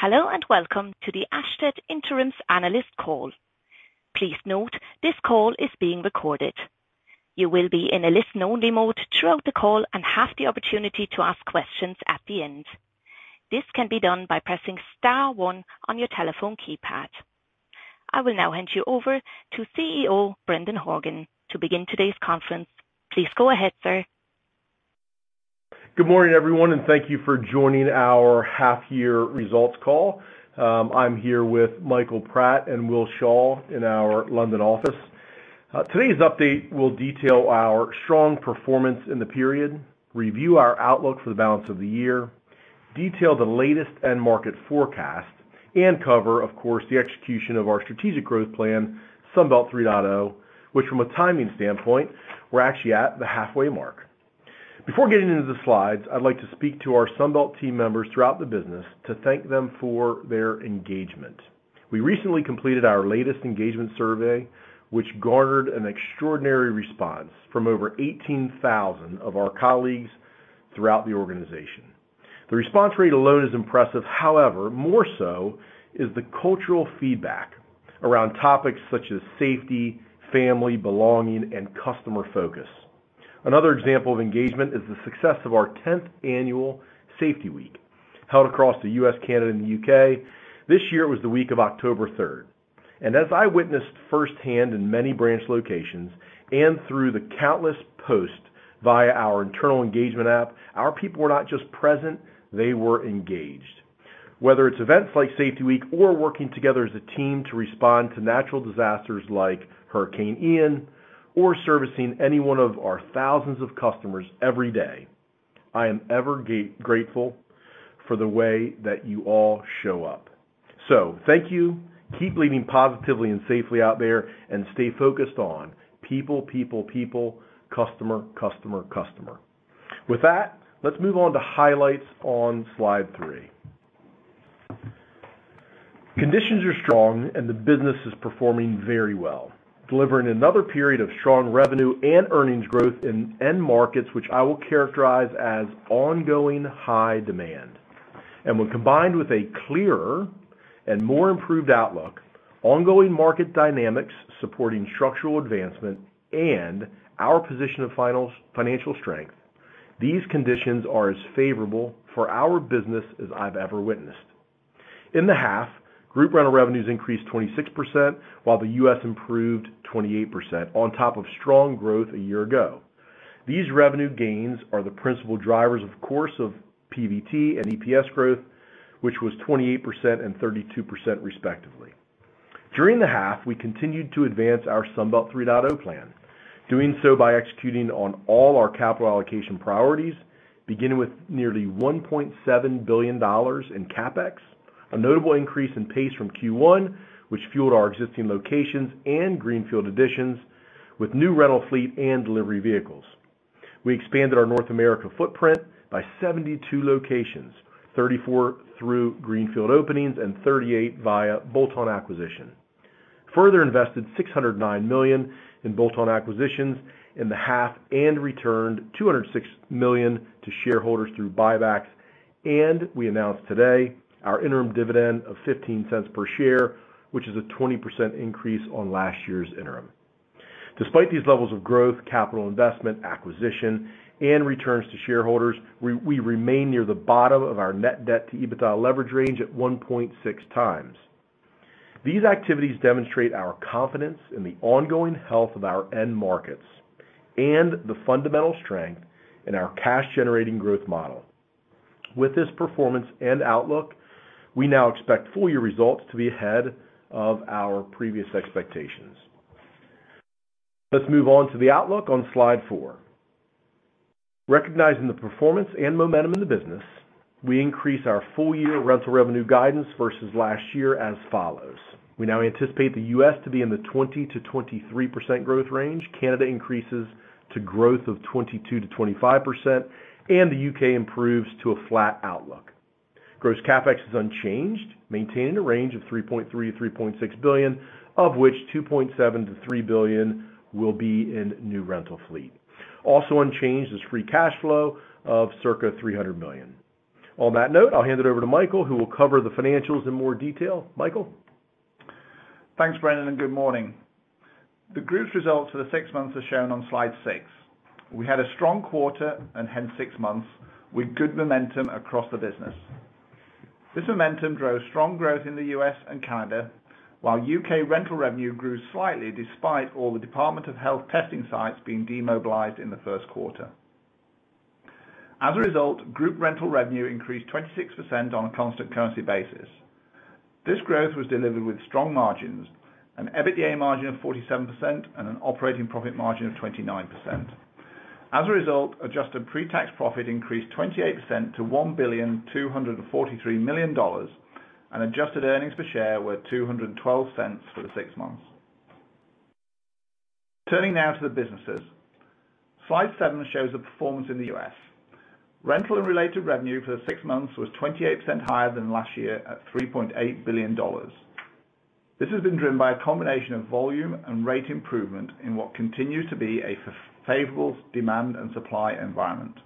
Hello, and welcome to the Ashtead Interims Analyst call. Please note this call is being recorded. You will be in a listen-only mode throughout the call and have the opportunity to ask questions at the end. This can be done by pressing star one on your telephone keypad. I will now hand you over to CEO Brendan Horgan to begin today's conference. Please go ahead, sir. Good morning, everyone, and thank you for joining our half-year results call. I'm here with Michael Pratt and Will Shaw in our London office. Today's update will detail our strong performance in the period, review our outlook for the balance of the year, detail the latest end market forecast, and cover, of course, the execution of our strategic growth plan, Sunbelt 3.0, which, from a timing standpoint, we're actually at the halfway mark. Before getting into the slides, I'd like to speak to our Sunbelt team members throughout the business to thank them for their engagement. We recently completed our latest engagement survey, which garnered an extraordinary response from over 18,000 of our colleagues throughout the organization. The response rate alone is impressive. However, more so is the cultural feedback around topics such as safety, family, belonging, and customer focus. Another example of engagement is the success of our 10th annual Safety Week, held across the U.S., Canada, and the U.K. This year was the week of October third, as I witnessed firsthand in many branch locations and through the countless posts via our internal engagement app, our people were not just present, they were engaged. Whether it's events like Safety Week or working together as a team to respond to natural disasters like Hurricane Ian or servicing any one of our thousands of customers every day, I am ever grateful for the way that you all show up. Thank you. Keep leading positively and safely out there and stay focused on people, people, customer, customer. With that, let's move on to highlights on slide three. Conditions are strong and the business is performing very well, delivering another period of strong revenue and earnings growth in end markets which I will characterize as ongoing high demand. When combined with a clearer and more improved outlook, ongoing market dynamics supporting structural advancement and our position of financial strength, these conditions are as favorable for our business as I've ever witnessed. In the half, group rental revenues increased 26%, while the US improved 28% on top of strong growth a year ago. These revenue gains are the principal drivers, of course, of PBT and EPS growth, which was 28% and 32% respectively. During the half, we continued to advance our Sunbelt 3.0 plan, doing so by executing on all our capital allocation priorities, beginning with nearly $1.7 billion in CapEx, a notable increase in pace from Q1, which fueled our existing locations and greenfield additions with new rental fleet and delivery vehicles. We expanded our North America footprint by 72 locations, 34 through greenfield openings and 38 via bolt-on acquisition. Further invested $609 million in bolt-on acquisitions in the half and returned $206 million to shareholders through buybacks. We announced today our interim dividend of $0.15 per share, which is a 20% increase on last year's interim. Despite these levels of growth, capital investment, acquisition, and returns to shareholders, we remain near the bottom of our net debt to EBITDA leverage range at 1.6 times. These activities demonstrate our confidence in the ongoing health of our end markets and the fundamental strength in our cash-generating growth model. With this performance and outlook, we now expect full-year results to be ahead of our previous expectations. Let's move on to the outlook on slide four. Recognizing the performance and momentum in the business, we increase our full-year rental revenue guidance versus last year as follows: We now anticipate the US to be in the 20%-23% growth range. Canada increases to growth of 22%-25%, and the UK improves to a flat outlook. Gross CapEx is unchanged, maintaining a range of $3.3 billion-$3.6 billion, of which $2.7 billion-$3 billion will be in new rental fleet. Also unchanged is free cash flow of circa $300 million. On that note, I'll hand it over to Michael, who will cover the financials in more detail. Michael? Thanks, Brendan, and good morning. The group's results for the six months are shown on slide six. We had a strong quarter and hence 6 months with good momentum across the business. This momentum drove strong growth in the U.S. and Canada, while U.K. rental revenue grew slightly despite all the Department of Health testing sites being demobilized in the first quarter. Group rental revenue increased 26% on a constant currency basis. This growth was delivered with strong margins and EBITDA margin of 47% and an operating profit margin of 29%. Adjusted pre-tax profit increased 28% to $1.243 billion and adjusted earnings per share were $2.12 for the 6 months. Turning now to the businesses. Slide 7 shows the performance in the U.S. Rental and related revenue for the six months was 28% higher than last year at $3.8 billion. This has been driven by a combination of volume and rate improvement in what continues to be a favorable demand and supply environment.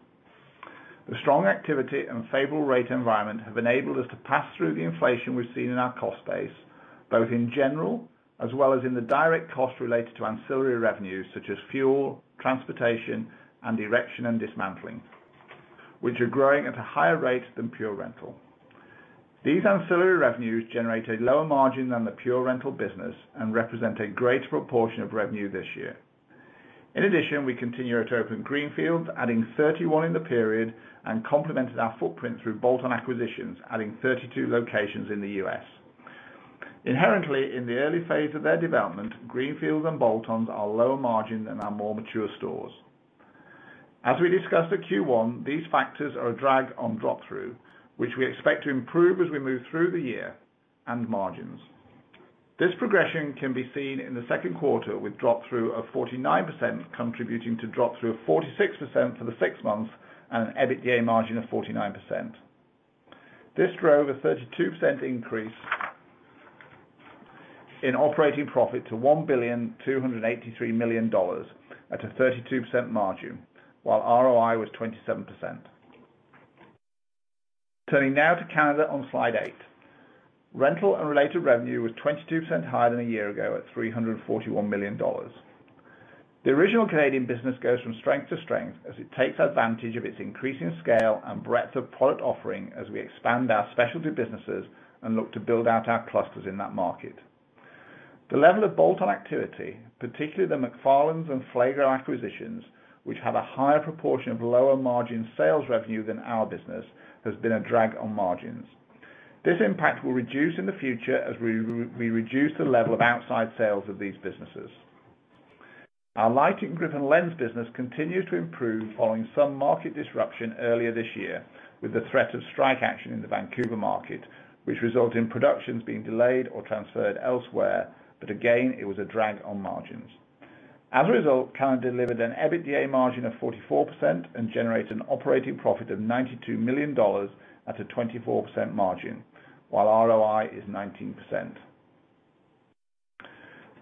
The strong activity and favorable rate environment have enabled us to pass through the inflation we've seen in our cost base, both in general, as well as in the direct cost related to ancillary revenues such as fuel, transportation, and erection and dismantling, which are growing at a higher rate than pure rental. These ancillary revenues generate a lower margin than the pure rental business and represent a greater proportion of revenue this year. We continue to open Greenfields, adding 31 in the period, and complemented our footprint through bolt-on acquisitions, adding 32 locations in the U.S. Inherently, in the early phase of their development, greenfields and bolt-ons are lower margin than our more mature stores. As we discussed at Q1, these factors are a drag on drop-through, which we expect to improve as we move through the year and margins. This progression can be seen in the second quarter with drop-through of 49%, contributing to drop-through of 46% for the six months and an EBITDA margin of 49%. This drove a 32% increase in operating profit to $1.283 billion at a 32% margin, while ROI was 27%. Turning now to Canada on Slide eight. Rental and related revenue was 22% higher than a year ago at $341 million. The original Canadian business goes from strength to strength as it takes advantage of its increasing scale and breadth of product offering as we expand our specialty businesses and look to build out our clusters in that market. The level of bolt-on activity, particularly the MacFarlands and Flagro acquisitions, which have a higher proportion of lower margin sales revenue than our business, has been a drag on margins. This impact will reduce in the future as we reduce the level of outside sales of these businesses. Our lighting-driven lens business continued to improve following some market disruption earlier this year with the threat of strike action in the Vancouver market, which result in productions being delayed or transferred elsewhere. Again, it was a drag on margins. As a result, Canada delivered an EBITDA margin of 44% and generated an operating profit of $92 million at a 24% margin, while ROI is 19%.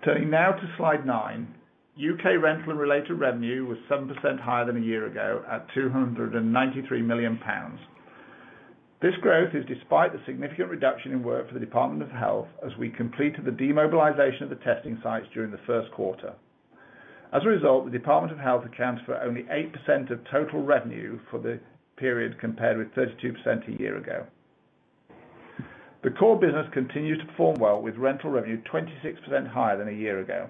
Turning now to Slide nine. UK rental and related revenue was 7% higher than a year ago at 293 million pounds. This growth is despite the significant reduction in work for the Department of Health as we completed the demobilization of the testing sites during the first quarter. As a result, the Department of Health accounts for only 8% of total revenue for the period, compared with 32% a year ago. The core business continued to perform well, with rental revenue 26% higher than a year ago.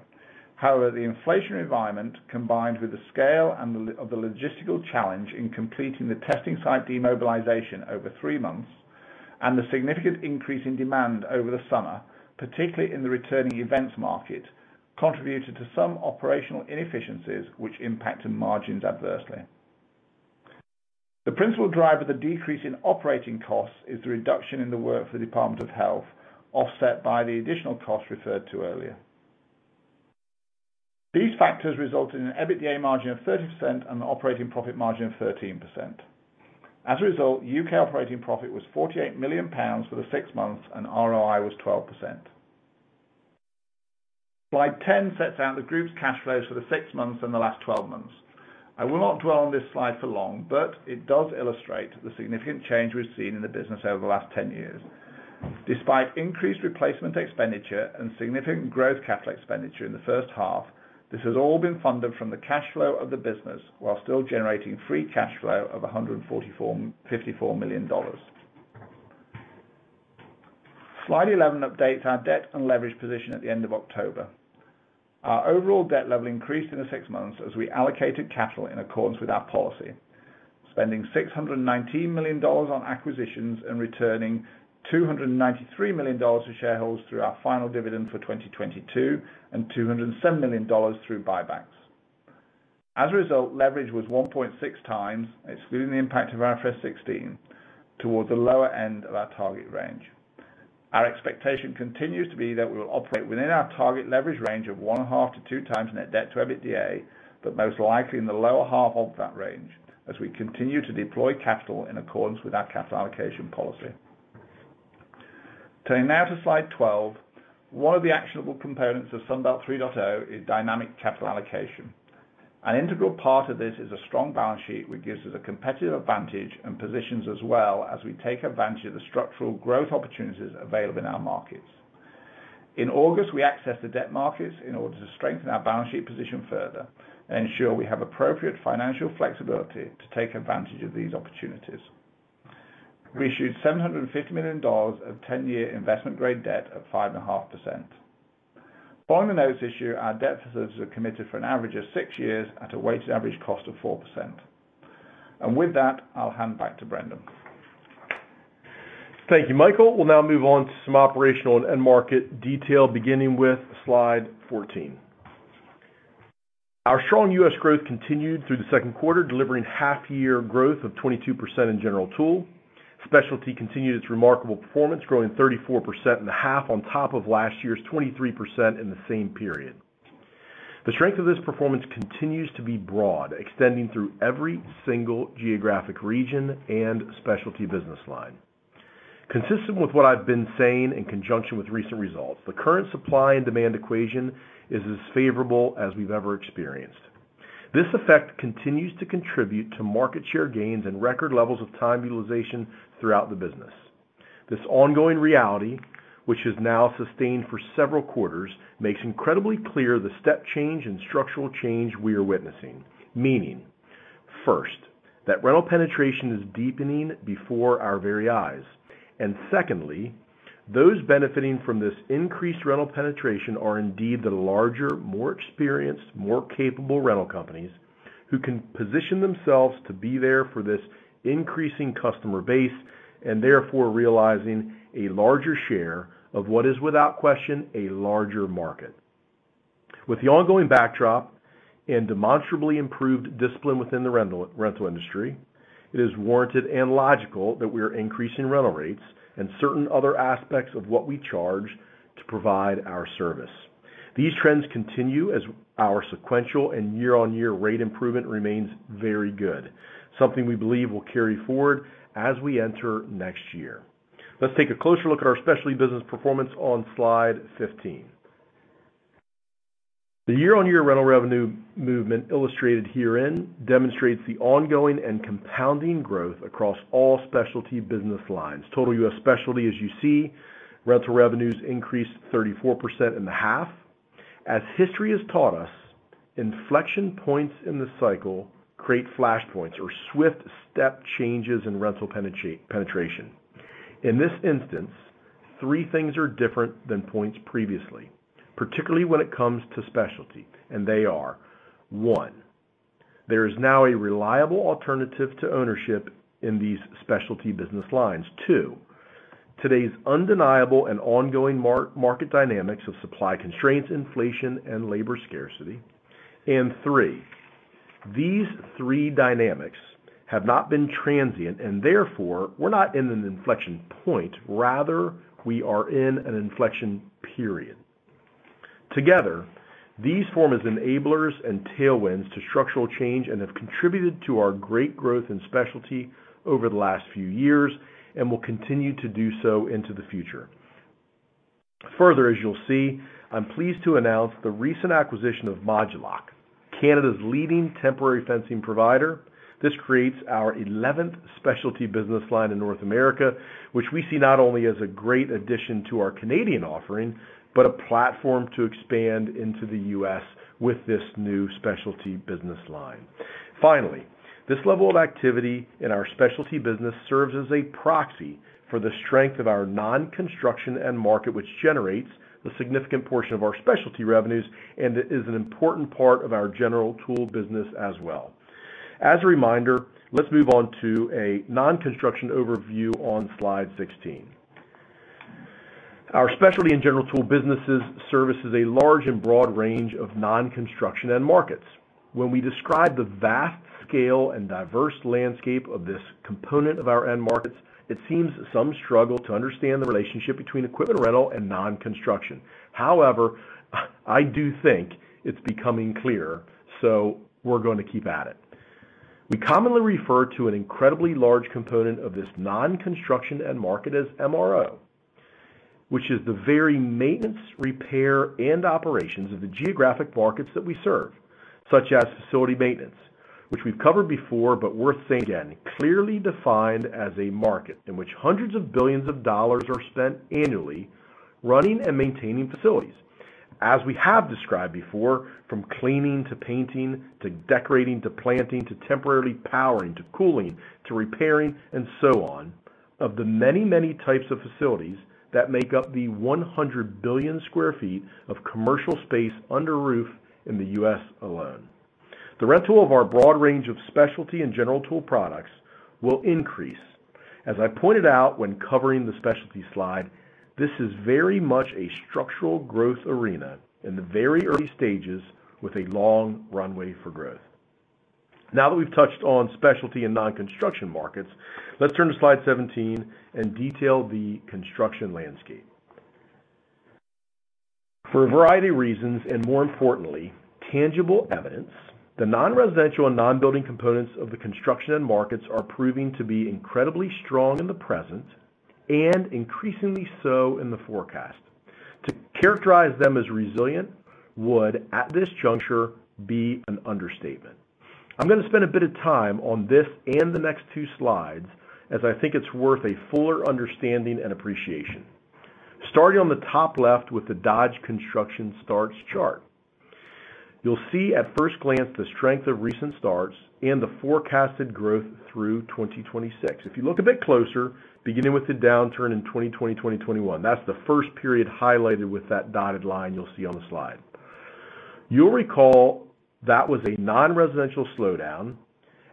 However, the inflationary environment, combined with the scale and the of the logistical challenge in completing the testing site demobilization over three months, and the significant increase in demand over the summer, particularly in the returning events market, contributed to some operational inefficiencies which impacted margins adversely. The principal driver of the decrease in operating costs is the reduction in the work for the Department of Health, offset by the additional costs referred to earlier. These factors resulted in an EBITDA margin of 30% and an operating profit margin of 13%. As a result, U.K. operating profit was 48 million pounds for the six months, and ROI was 12%. Slide 10 sets out the group's cash flows for the six months and the last 12 months. I will not dwell on this slide for long, but it does illustrate the significant change we've seen in the business over the last 10 years. Despite increased replacement expenditure and significant growth capital expenditure in the first half, this has all been funded from the cash flow of the business while still generating free cash flow of $154 million. Slide 11 updates our debt and leverage position at the end of October. Our overall debt level increased in the 6 months as we allocated capital in accordance with our policy, spending $619 million on acquisitions and returning $293 million to shareholders through our final dividend for 2022, and $207 million through buybacks. As a result, leverage was 1.6x, excluding the impact of IFRS 16, towards the lower end of our target range. Our expectation continues to be that we will operate within our target leverage range of 0.5x-2x net debt to EBITDA, most likely in the lower half of that range as we continue to deploy capital in accordance with our capital allocation policy. Turning now to Slide 12. One of the actionable components of Sunbelt 3.0 is dynamic capital allocation. An integral part of this is a strong balance sheet, which gives us a competitive advantage and positions us well as we take advantage of the structural growth opportunities available in our markets. In August, we accessed the debt markets in order to strengthen our balance sheet position further and ensure we have appropriate financial flexibility to take advantage of these opportunities. We issued $750 million of 10-year investment-grade debt at 5.5%. Following the notes issue, our debt facilities are committed for an average of six years at a weighted average cost of 4%. With that, I'll hand back to Brendan. Thank you, Michael. We'll now move on to some operational end market detail beginning with Slide 14. Our strong U.S. growth continued through the second quarter, delivering half-year growth of 22% in general tool. Specialty continued its remarkable performance, growing 34% in the half on top of last year's 23% in the same period. The strength of this performance continues to be broad, extending through every single geographic region and specialty business line. Consistent with what I've been saying in conjunction with recent results, the current supply and demand equation is as favorable as we've ever experienced. This effect continues to contribute to market share gains and record levels of time utilization throughout the business. This ongoing reality, which is now sustained for several quarters, makes incredibly clear the step change and structural change we are witnessing. Meaning, first, that rental penetration is deepening before our very eyes. Secondly, those benefiting from this increased rental penetration are indeed the larger, more experienced, more capable rental companies who can position themselves to be there for this increasing customer base, and therefore realizing a larger share of what is, without question, a larger market. With the ongoing backdrop and demonstrably improved discipline within the rental industry, it is warranted and logical that we are increasing rental rates and certain other aspects of what we charge to provide our service. These trends continue as our sequential and year-on-year rate improvement remains very good, something we believe will carry forward as we enter next year. Let's take a closer look at our specialty business performance on slide 15. The year-on-year rental revenue movement illustrated herein demonstrates the ongoing and compounding growth across all specialty business lines. Total U.S. specialty, as you see, rental revenues increased 34% in the half. As history has taught us, inflection points in the cycle create flashpoints or swift step changes in rental penetration. In this instance, three things are different than points previously, particularly when it comes to specialty, they are: one, there is now a reliable alternative to ownership in these specialty business lines. twT, today's undeniable and ongoing market dynamics of supply constraints, inflation, and labor scarcity. three, these three dynamics have not been transient and therefore we're not in an inflection point. Rather, we are in an inflection period. Together, these form as enablers and tailwinds to structural change and have contributed to our great growth in specialty over the last few years, and will continue to do so into the future. Further, as you'll see, I'm pleased to announce the recent acquisition of Modu-Loc, Canada's leading temporary fencing provider. This creates our 11th specialty business line in North America, which we see not only as a great addition to our Canadian offering, but a platform to expand into the U.S. with this new specialty business line. This level of activity in our specialty business serves as a proxy for the strength of our non-construction end market, which generates a significant portion of our specialty revenues and is an important part of our general tool business as well. As a reminder, let's move on to a non-construction overview on slide 16. Our specialty in general tool businesses services a large and broad range of non-construction end markets. When we describe the vast scale and diverse landscape of this component of our end markets, it seems some struggle to understand the relationship between equipment rental and non-construction. However, I do think it's becoming clearer, so we're going to keep at it. We commonly refer to an incredibly large component of this non-construction end market as MRO, which is the very maintenance, repair, and operations of the geographic markets that we serve, such as facility maintenance, which we've covered before, but worth saying again, clearly defined as a market in which hundreds of billions of dollars are spent annually running and maintaining facilities. As we have described before, from cleaning, to painting, to decorating, to planting, to temporarily powering, to cooling, to repairing, and so on, of the many, many types of facilities that make up the 100 billion sq ft of commercial space under roof in the U.S. alone. The rental of our broad range of specialty and general tool products will increase. As I pointed out when covering the specialty slide, this is very much a structural growth arena in the very early stages with a long runway for growth. That we've touched on specialty and non-construction markets, let's turn to slide 17 and detail the construction landscape. For a variety of reasons, and more importantly, tangible evidence, the non-residential and non-building components of the construction end markets are proving to be incredibly strong in the present and increasingly so in the forecast. To characterize them as resilient would, at this juncture, be an understatement. I'm gonna spend a bit of time on this and the next two slides as I think it's worth a fuller understanding and appreciation. Starting on the top left with the Dodge Construction Starts chart. You'll see at first glance the strength of recent starts and the forecasted growth through 2026. If you look a bit closer, beginning with the downturn in 2020, 2021. That's the first period highlighted with that dotted line you'll see on the slide. You'll recall that was a non-residential slowdown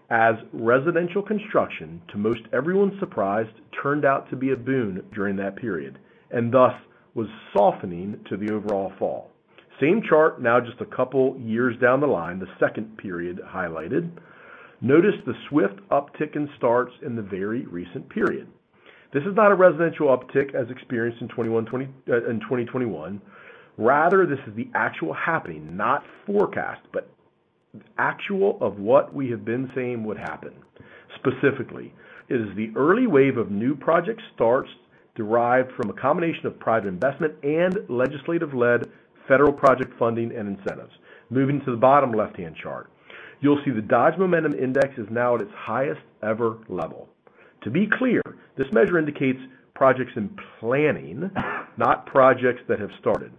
as residential construction, to most everyone's surprise, turned out to be a boon during that period, and thus was softening to the overall fall. Same chart now just a couple years down the line, the second period highlighted. Notice the swift uptick in starts in the very recent period. This is not a residential uptick as experienced in 2021. Rather, this is the actual happening, not forecast, but actual of what we have been saying would happen. Specifically, it is the early wave of new project starts derived from a combination of private investment and legislative-led federal project funding and incentives. Moving to the bottom left-hand chart, you'll see the Dodge Momentum Index is now at its highest ever level. To be clear, this measure indicates projects in planning, not projects that have started.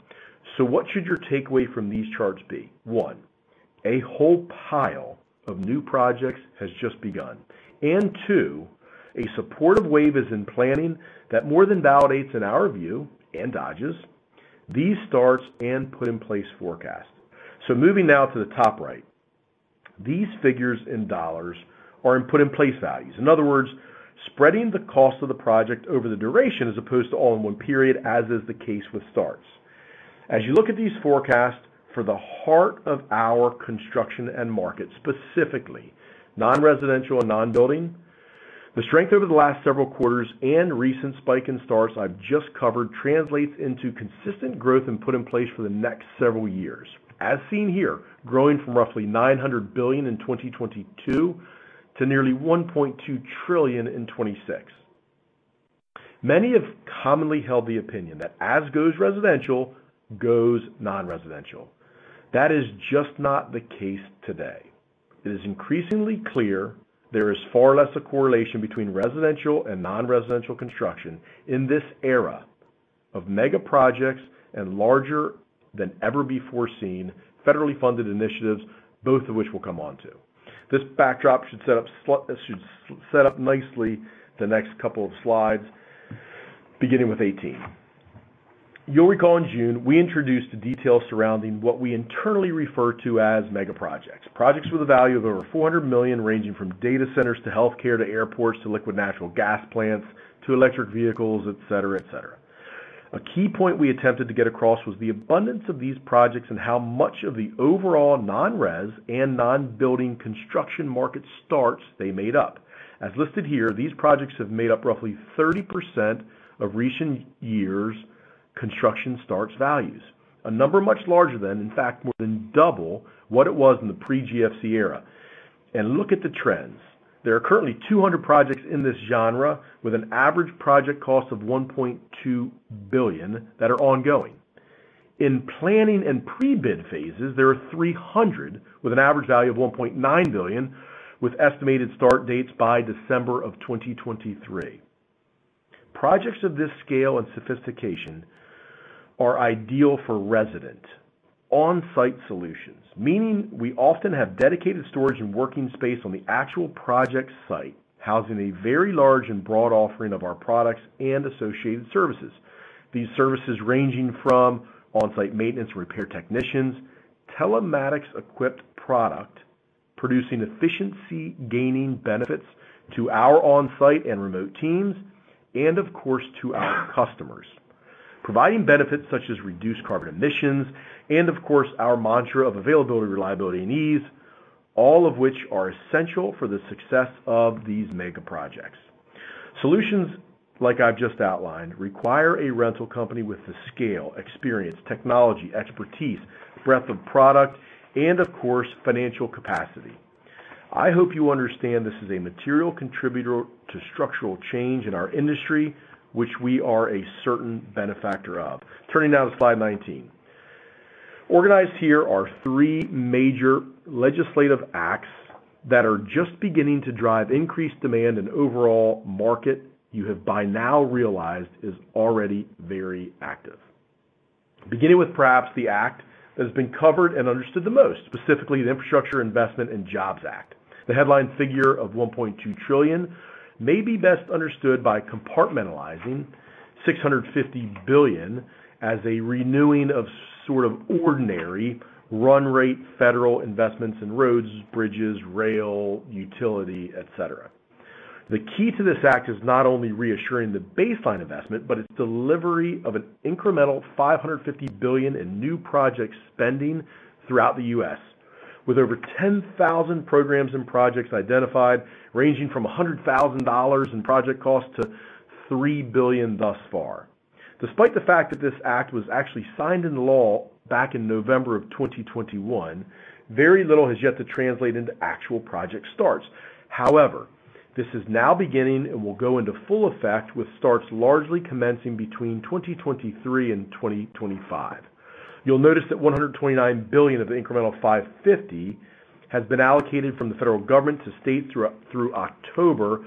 What should your takeaway from these charts be? one, a whole pile of new projects has just begun, and two, a supportive wave is in planning that more than validates in our view, and Dodge's, these starts and put in place forecast. Moving now to the top right. These figures and dollars are in put in place values. In other words, spreading the cost of the project over the duration as opposed to all in one period, as is the case with starts. As you look at these forecasts for the heart of our construction end market, specifically non-residential and non-building, the strength over the last several quarters and recent spike in starts I've just covered translates into consistent growth and put in place for the next several years. As seen here, growing from roughly $900 billion in 2022 to nearly $1.2 trillion in 2026. Many have commonly held the opinion that as goes residential, goes non-residential. That is just not the case today. It is increasingly clear there is far less a correlation between residential and non-residential construction in this era of mega projects and larger than ever before seen federally funded initiatives, both of which we'll come onto. This backdrop should set up nicely the next couple of slides, beginning with 18. You'll recall in June, we introduced the details surrounding what we internally refer to as mega projects. Projects with a value of over $400 million, ranging from data centers to healthcare, to airports, to liquid natural gas plants, to electric vehicles, et cetera, et cetera. A key point we attempted to get across was the abundance of these projects and how much of the overall non-res and non-building construction market starts they made up. As listed here, these projects have made up roughly 30% of recent years' construction starts values. A number much larger than, in fact, more than double what it was in the pre-GFC era. Look at the trends. There are currently 200 projects in this genre with an average project cost of $1.2 billion that are ongoing. In planning and pre-bid phases, there are 300 with an average value of $1.9 billion, with estimated start dates by December of 2023. Projects of this scale and sophistication are ideal for resident on-site solutions, meaning we often have dedicated storage and working space on the actual project site, housing a very large and broad offering of our products and associated services. These services ranging from on-site maintenance repair technicians, telematics-equipped product, producing efficiency-gaining benefits to our on-site and remote teams, and of course, to our customers. Providing benefits such as reduced carbon emissions and of course, our mantra of availability, reliability, and ease, all of which are essential for the success of these mega projects. Solutions like I've just outlined require a rental company with the scale, experience, technology, expertise, breadth of product, and of course, financial capacity. I hope you understand this is a material contributor to structural change in our industry, which we are a certain benefactor of. Turning now to slide 19. Organized here are three major legislative acts that are just beginning to drive increased demand in overall market you have by now realized is already very active. Beginning with perhaps the act that has been covered and understood the most, specifically the Infrastructure Investment and Jobs Act. The headline figure of $1.2 trillion may be best understood by compartmentalizing $650 billion as a renewing of sort of ordinary run rate federal investments in roads, bridges, rail, utility, et cetera. The key to this Act is not only reassuring the baseline investment, but its delivery of an incremental $550 billion in new project spending throughout the U.S., with over 10,000 programs and projects identified, ranging from $100,000 in project cost to $3 billion thus far. Despite the fact that this Act was actually signed into law back in November 2021, very little has yet to translate into actual project starts. This is now beginning and will go into full effect with starts largely commencing between 2023 and 2025. You'll notice that $129 billion of the incremental 550 has been allocated from the federal government to states through October,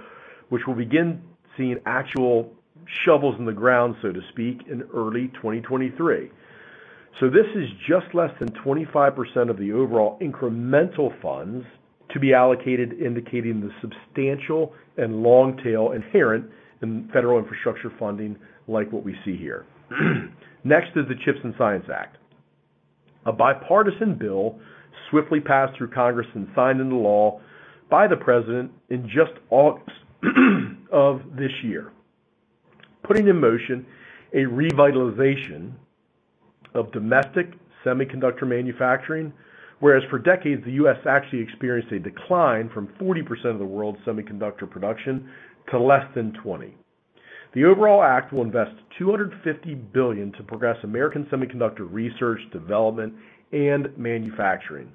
which will begin seeing actual shovels in the ground, so to speak, in early 2023. This is just less than 25% of the overall incremental funds to be allocated, indicating the substantial and long tail inherent in federal infrastructure funding like what we see here. Next is the CHIPS and Science Act, a bipartisan bill swiftly passed through Congress and signed into law by the President in just August of this year. Putting in motion a revitalization of domestic semiconductor manufacturing. Whereas for decades, the U.S. actually experienced a decline from 40% of the world's semiconductor production to less than 20%. The overall act will invest $250 billion to progress American semiconductor research, development, and manufacturing.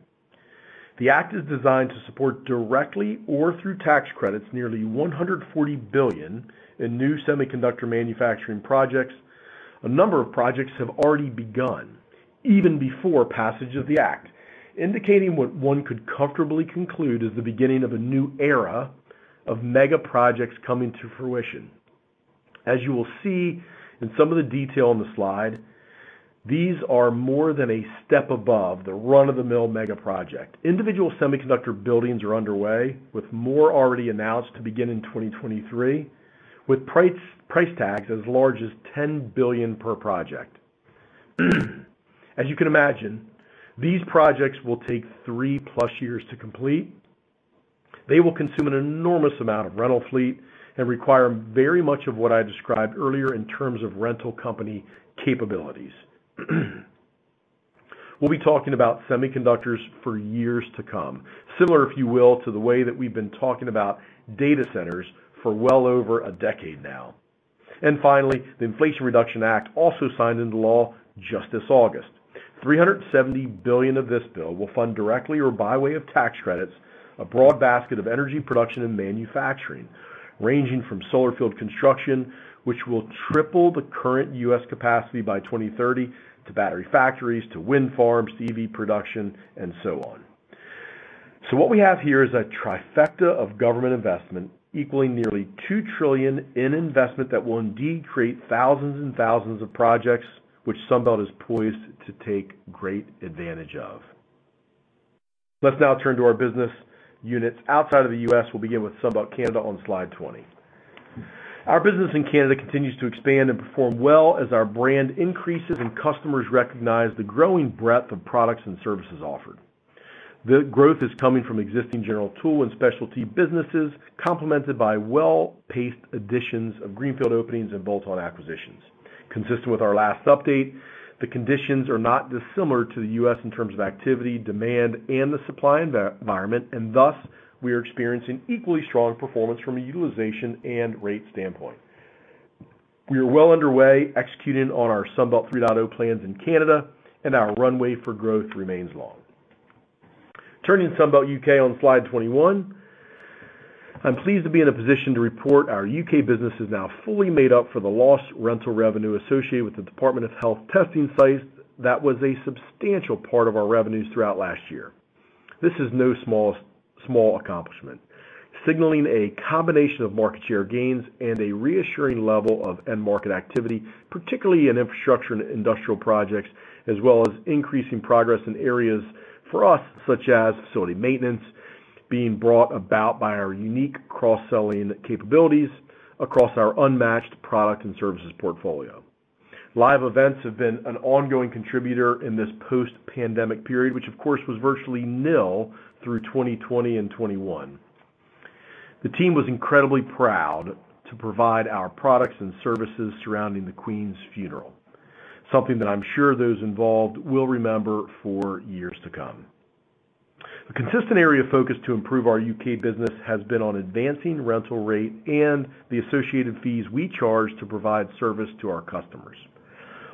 The act is designed to support directly or through tax credits, nearly $140 billion in new semiconductor manufacturing projects. A number of projects have already begun even before passage of the act, indicating what one could comfortably conclude is the beginning of a new era of mega projects coming to fruition. As you will see in some of the detail on the slide, these are more than a step above the run-of-the-mill mega project. Individual semiconductor buildings are underway, with more already announced to begin in 2023, with price tags as large as $10 billion per project. As you can imagine, these projects will take 3+ years to complete. They will consume an enormous amount of rental fleet and require very much of what I described earlier in terms of rental company capabilities. We'll be talking about semiconductors for years to come. Similar, if you will, to the way that we've been talking about data centers for well over a decade now. Finally, the Inflation Reduction Act also signed into law just this August. $370 billion of this bill will fund directly or by way of tax credits, a broad basket of energy production and manufacturing, ranging from solar field construction, which will triple the current U.S. capacity by 2030, to battery factories, to wind farms, EV production, and so on. What we have here is a trifecta of government investment equaling nearly $2 trillion in investment that will indeed create thousands and thousands of projects which Sunbelt is poised to take great advantage of. Let's now turn to our business units outside of the U.S. We'll begin with Sunbelt Canada on slide 20. Our business in Canada continues to expand and perform well as our brand increases and customers recognize the growing breadth of products and services offered. The growth is coming from existing general tool and specialty businesses, complemented by well-paced additions of greenfield openings and bolt-on acquisitions. Consistent with our last update, the conditions are not dissimilar to the US in terms of activity, demand, and the supply environment, and thus, we are experiencing equally strong performance from a utilization and rate standpoint. We are well underway executing on our Sunbelt 3.0 plans in Canada, and our runway for growth remains long. Turning to Sunbelt UK on slide 21. I'm pleased to be in a position to report our UK business is now fully made up for the lost rental revenue associated with the Department of Health testing sites that was a substantial part of our revenues throughout last year. This is no small accomplishment, signaling a combination of market share gains and a reassuring level of end market activity, particularly in infrastructure and industrial projects, as well as increasing progress in areas for us, such as facility maintenance being brought about by our unique cross-selling capabilities across our unmatched product and services portfolio. Live events have been an ongoing contributor in this post-pandemic period, which of course, was virtually nil through 2020 and 2021. The team was incredibly proud to provide our products and services surrounding the Queen's funeral, something that I'm sure those involved will remember for years to come. A consistent area of focus to improve our UK business has been on advancing rental rate and the associated fees we charge to provide service to our customers.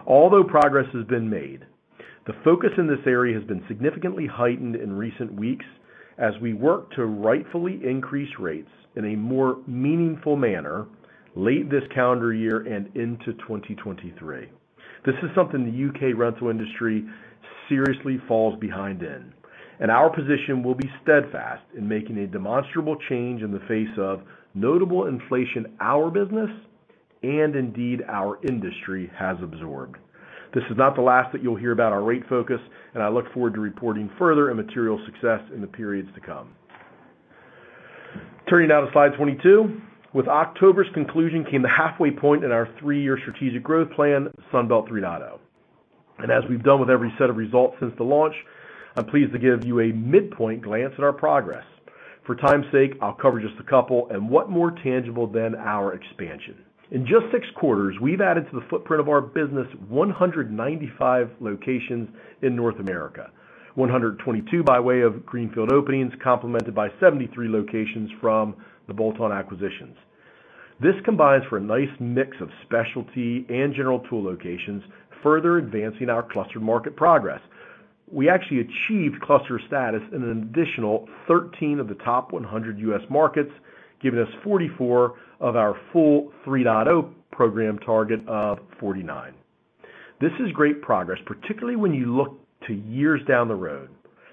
Although progress has been made, the focus in this area has been significantly heightened in recent weeks as we work to rightfully increase rates in a more meaningful manner late this calendar year and into 2023. This is something the UK rental industry seriously falls behind in. Our position will be steadfast in making a demonstrable change in the face of notable inflation our business, and indeed, our industry has absorbed. This is not the last that you'll hear about our rate focus. I look forward to reporting further and material success in the periods to come. Turning now to slide 22. With October's conclusion came the halfway point in our three year strategic growth plan, Sunbelt 3.0. As we've done with every set of results since the launch, I'm pleased to give you a midpoint glance at our progress. For time's sake, I'll cover just a couple and what more tangible than our expansion. In just six quarters, we've added to the footprint of our business 195 locations in North America. 122 by way of greenfield openings, complemented by 73 locations from the bolt-on acquisitions. This combines for a nice mix of specialty and general tool locations, further advancing our cluster market progress. We actually achieved cluster status in an additional 13 of the top 100 U.S. markets, giving us 44 of our full 3.0 program target of 49. This is great progress, particularly when you look to years down the road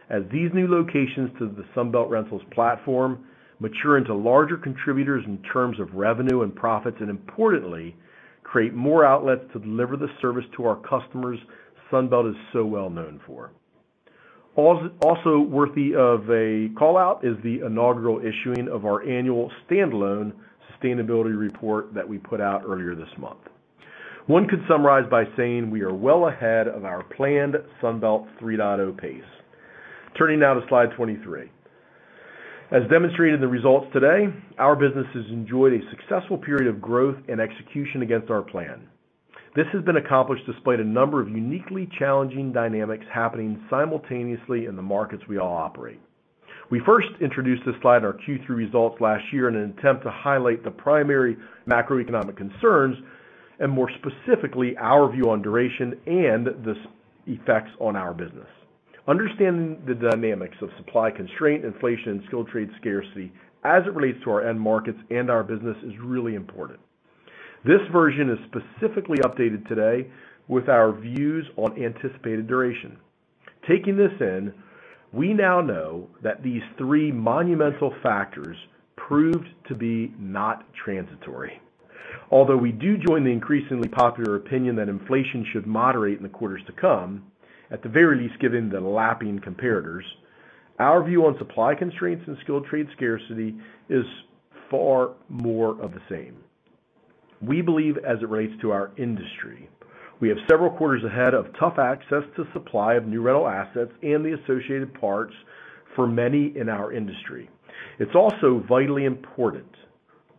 as these new locations to the Sunbelt Rentals platform mature into larger contributors in terms of revenue and profits, and importantly, create more outlets to deliver the service to our customers Sunbelt is so well known for. Also worthy of a call-out is the inaugural issuing of our annual standalone sustainability report that we put out earlier this month. One could summarize by saying we are well ahead of our planned Sunbelt 3.0 pace. Turning now to slide 23. As demonstrated in the results today, our business has enjoyed a successful period of growth and execution against our plan. This has been accomplished despite a number of uniquely challenging dynamics happening simultaneously in the markets we all operate. We first introduced this slide in our Q3 results last year in an attempt to highlight the primary macroeconomic concerns and more specifically, our view on duration and this effects on our business. Understanding the dynamics of supply constraint, inflation, and skilled trade scarcity as it relates to our end markets and our business is really important. This version is specifically updated today with our views on anticipated duration. Taking this in, we now know that these 3 monumental factors proved to be not transitory. We do join the increasingly popular opinion that inflation should moderate in the quarters to come, at the very least given the lapping comparators, our view on supply constraints and skilled trade scarcity is far more of the same. We believe as it relates to our industry, we have several quarters ahead of tough access to supply of new rental assets and the associated parts for many in our industry. It's also vitally important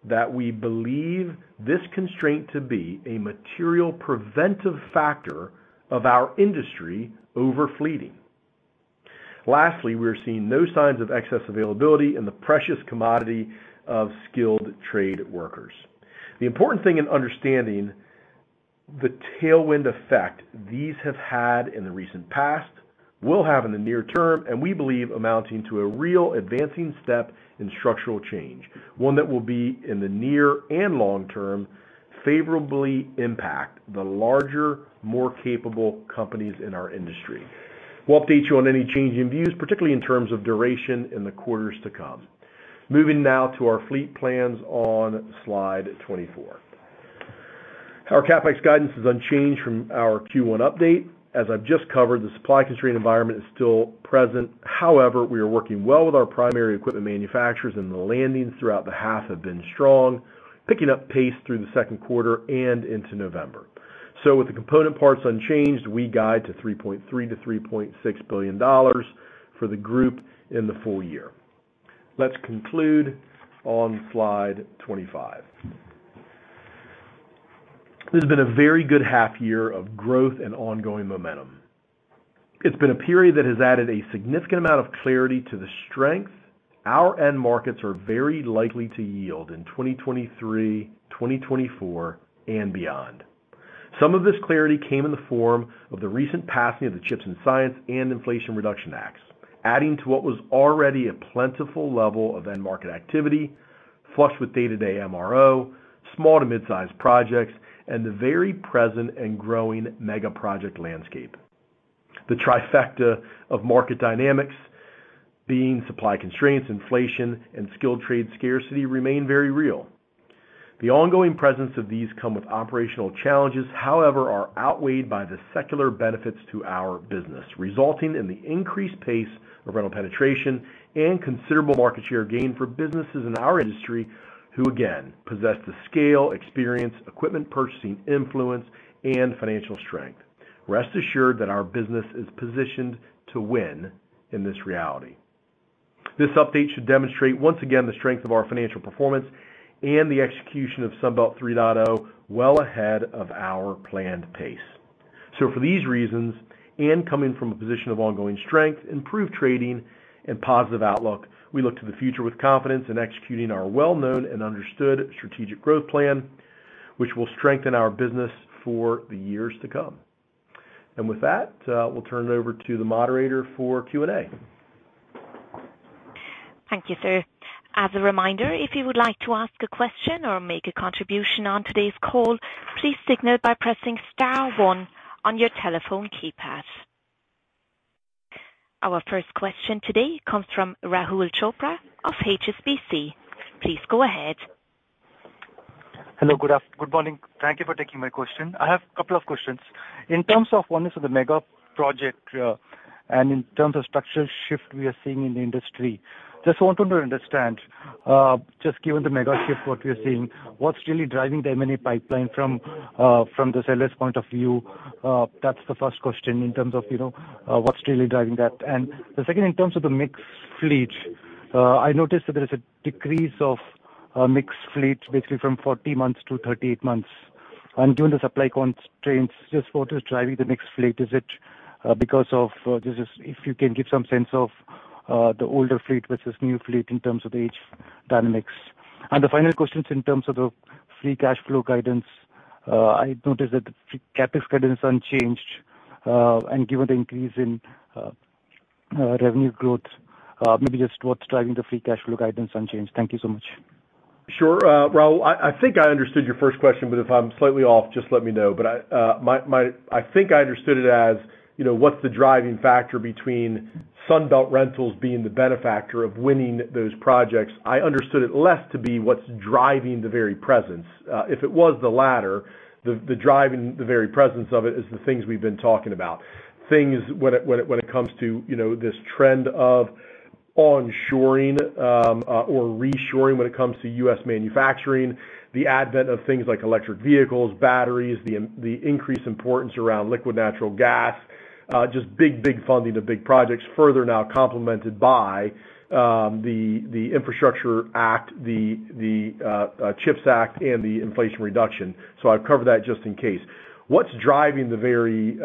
that we believe this constraint to be a material preventive factor of our industry over fleeting. We're seeing no signs of excess availability in the precious commodity of skilled trade workers. The important thing in understanding the tailwind effect these have had in the recent past, will have in the near term, and we believe amounting to a real advancing step in structural change, one that will be in the near and long term favorably impact the larger, more capable companies in our industry. We'll update you on any change in views, particularly in terms of duration in the quarters to come. Moving now to our fleet plans on slide 24. Our CapEx guidance is unchanged from our Q1 update. As I've just covered, the supply constraint environment is still present. However, we are working well with our primary equipment manufacturers and the landings throughout the half have been strong, picking up pace through the second quarter and into November. With the component parts unchanged, we guide to $3.3 billion-$3.6 billion for the group in the full year. Let's conclude on slide 25. This has been a very good half year of growth and ongoing momentum. It's been a period that has added a significant amount of clarity to the strength our end markets are very likely to yield in 2023, 2024 and beyond. Some of this clarity came in the form of the recent passing of the CHIPS and Science and Inflation Reduction Acts, adding to what was already a plentiful level of end market activity, flush with day-to-day MRO, small to mid-size projects, and the very present and growing mega project landscape. The trifecta of market dynamics being supply constraints, inflation, and skilled trade scarcity remain very real. The ongoing presence of these come with operational challenges, however, are outweighed by the secular benefits to our business, resulting in the increased pace of rental penetration and considerable market share gain for businesses in our industry who again possess the scale, experience, equipment purchasing influence, and financial strength. Rest assured that our business is positioned to win in this reality. This update should demonstrate once again the strength of our financial performance and the execution of Sunbelt 3.0 well ahead of our planned pace. For these reasons, and coming from a position of ongoing strength, improved trading and positive outlook, we look to the future with confidence in executing our well-known and understood strategic growth plan, which will strengthen our business for the years to come. With that, we'll turn it over to the moderator for Q&A. Thank you, sir. As a reminder, if you would like to ask a question or make a contribution on today's call, please signal by pressing star one on your telephone keypad. Our first question today comes from Rahul Chopra of HSBC. Please go ahead. Hello, good morning. Thank you for taking my question. I have a couple of questions. In terms of oneness of the mega project, and in terms of structural shift we are seeing in the industry. Just wanted to understand, just given the mega shift, what we are seeing, what's really driving the M&A pipeline from the sellers point of view? That's the first question in terms of, you know, what's really driving that. The second, in terms of the mixed fleet, I noticed that there is a decrease of mixed fleets, basically from 40 months to 38 months. During the supply constraints, just what is driving the mixed fleet? Is it because of... If you can give some sense of the older fleet versus new fleet in terms of the age dynamics. The final question is in terms of the free cash flow guidance. I noticed that CapEx guidance unchanged, and given the increase in revenue growth, maybe just what's driving the free cash flow guidance unchanged. Thank you so much. Sure. Raul, I think I understood your first question, but if I'm slightly off, just let me know. I think I understood it as, you know, what's the driving factor between Sunbelt Rentals being the benefactor of winning those projects? I understood it less to be what's driving the very presence. If it was the latter, the driving the very presence of it is the things we've been talking about. Things when it comes to, you know, this trend of onshoring, or reshoring when it comes to U.S. manufacturing, the advent of things like electric vehicles, batteries, the increased importance around liquid natural gas, just big, big funding to big projects further now complemented by the Infrastructure Act, the Chips Act, and the inflation reduction. I've covered that just in case. What's driving the very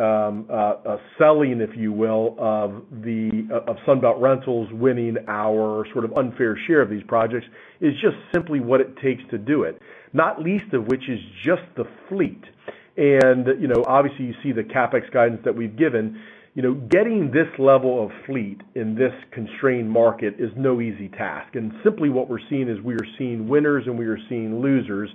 selling, if you will, of Sunbelt Rentals winning our sort of unfair share of these projects is just simply what it takes to do it, not least of which is just the fleet. You know, obviously, you see the CapEx guidance that we've given. You know, getting this level of fleet in this constrained market is no easy task. Simply what we're seeing is we are seeing winners, and we are seeing losers.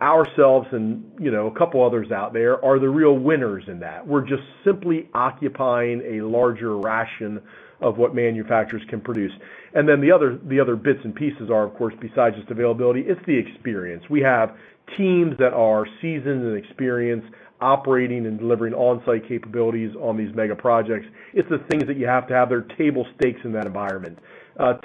Ourselves and, you know, a couple others out there are the real winners in that. We're just simply occupying a larger ration of what manufacturers can produce. The other bits and pieces are, of course, besides just availability, it's the experience. We have teams that are seasoned and experienced, operating and delivering on-site capabilities on these mega projects. It's the things that you have to have. They're table stakes in that environment.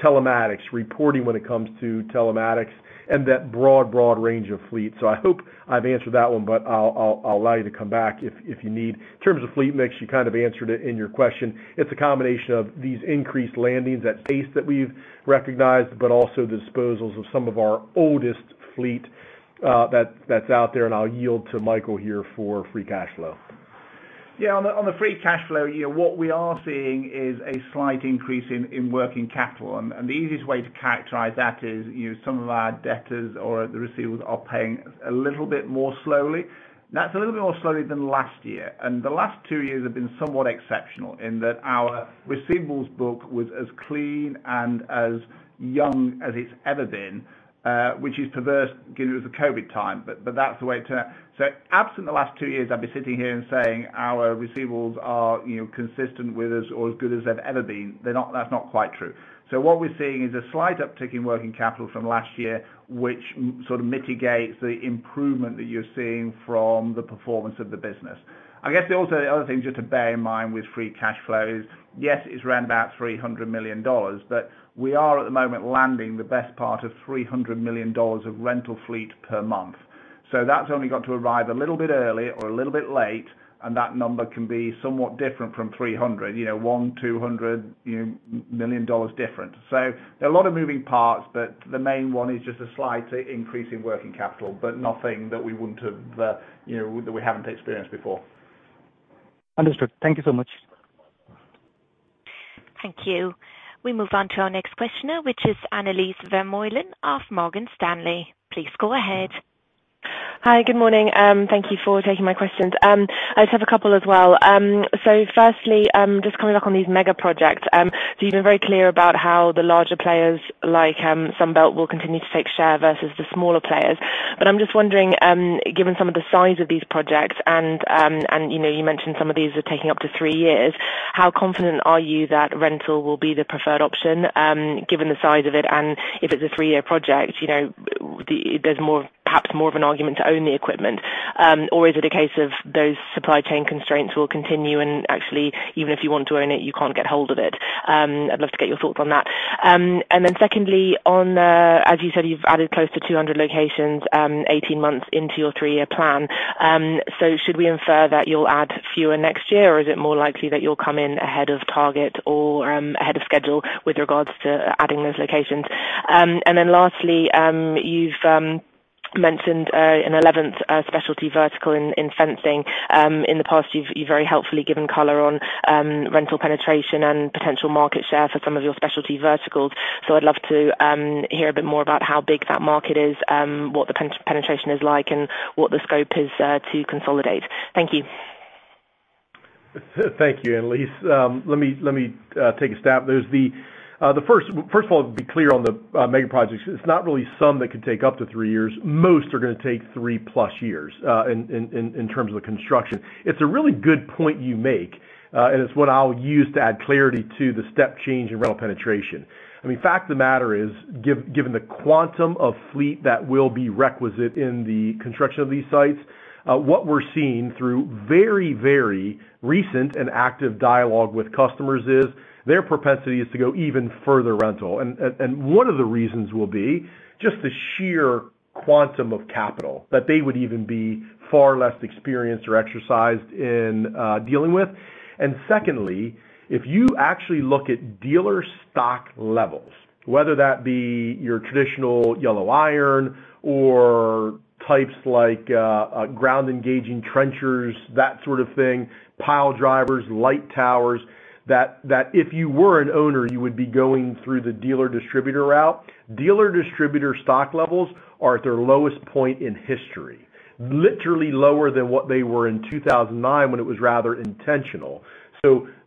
Telematics, reporting when it comes to telematics, and that broad range of fleet. I hope I've answered that one, but I'll allow you to come back if you need. In terms of fleet mix, you kind of answered it in your question. It's a combination of these increased landings at pace that we've recognized but also disposals of some of our oldest fleet that's out there, and I'll yield to Michael here for free cash flow. Yeah. On the free cash flow, you know, what we are seeing is a slight increase in working capital. The easiest way to characterize that is, you know, some of our debtors or the receivables are paying a little bit more slowly. That's a little bit more slowly than last year. The last two years have been somewhat exceptional in that our receivables book was as clean and as young as it's ever been, which is perverse given it was a COVID time. That's the way it turned out. Absent the last two years, I'd be sitting here and saying, our receivables are, you know, consistent with us or as good as they've ever been. That's not quite true. What we're seeing is a slight uptick in working capital from last year, which sort of mitigates the improvement that you're seeing from the performance of the business. I guess also the other thing just to bear in mind with free cash flow is, yes, it's around about $300 million, but we are at the moment landing the best part of $300 million of rental fleet per month. That's only got to arrive a little bit early or a little bit late, and that number can be somewhat different from $300 million, you know, $100, $200 million different. There are a lot of moving parts, but the main one is just a slight increase in working capital, but nothing that we wouldn't have, you know, that we haven't experienced before. Understood. Thank you so much. Thank you. We move on to our next questioner, which is Annelies Vermeulen of Morgan Stanley. Please go ahead. Hi. Good morning. Thank you for taking my questions. I just have a couple as well. Firstly, just coming back on these mega projects. You've been very clear about how the larger players like Sunbelt will continue to take share versus the smaller players. I'm just wondering, given some of the size of these projects and, you know, you mentioned some of these are taking up to 3 years, how confident are you that rental will be the preferred option, given the size of it? If it's a 3-year project, you know, there's more perhaps more of an argument to own the equipment. Is it a case of those supply chain constraints will continue and actually, even if you want to own it, you can't get hold of it? I'd love to get your thoughts on that. Secondly, on the As you said, you've added close to 200 locations, 18 months into your three year plan. Should we infer that you'll add fewer next year, or is it more likely that you'll come in ahead of target or ahead of schedule with regards to adding those locations? Lastly, you've mentioned an 11th specialty vertical in fencing. In the past you've very helpfully given color on rental penetration and potential market share for some of your specialty verticals. I'd love to hear a bit more about how big that market is, what the penetration is like and what the scope is to consolidate. Thank you. Thank you, Annelise. Let me take a stab. First of all, to be clear on the mega projects, it's not really some that could take up to three years. Most are gonna take three plus years in terms of the construction. It's a really good point you make, and it's what I'll use to add clarity to the step change in rental penetration. I mean, fact of the matter is, given the quantum of fleet that will be requisite in the construction of these sites, what we're seeing through very recent and active dialogue with customers is their propensity is to go even further rental. One of the reasons will be just the sheer quantum of capital that they would even be far less experienced or exercised in dealing with. Secondly, if you actually look at dealer stock levels, whether that be your traditional yellow iron or types like ground engaging trenchers, that sort of thing, pile drivers, light towers, that if you were an owner, you would be going through the dealer distributor route. Dealer distributor stock levels are at their lowest point in history, literally lower than what they were in 2009 when it was rather intentional.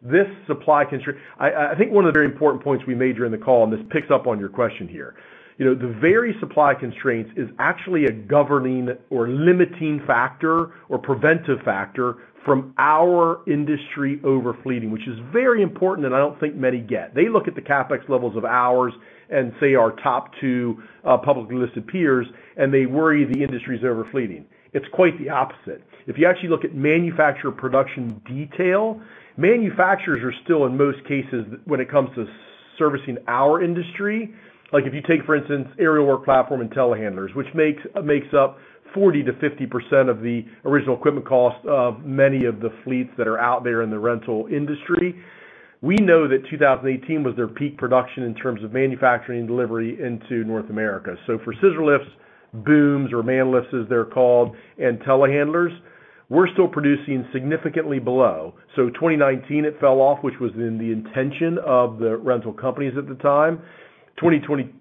This supply constraint, I think one of the very important points we made during the call, and this picks up on your question here, you know, the very supply constraints is actually a governing or limiting factor or preventive factor from our industry over fleeting, which is very important, and I don't think many get. They look at the CapEx levels of ours and say our top two publicly listed peers. They worry the industry is over fleeting. It's quite the opposite. If you actually look at manufacturer production detail, manufacturers are still in most cases when it comes to servicing our industry. Like, if you take, for instance, aerial work platform and telehandlers, which makes up 40% to 50% of the original equipment cost of many of the fleets that are out there in the rental industry. We know that 2018 was their peak production in terms of manufacturing delivery into North America. For scissor lifts, booms or man lifts, as they're called, and telehandlers, we're still producing significantly below. 2019, it fell off, which was in the intention of the rental companies at the time. 2020,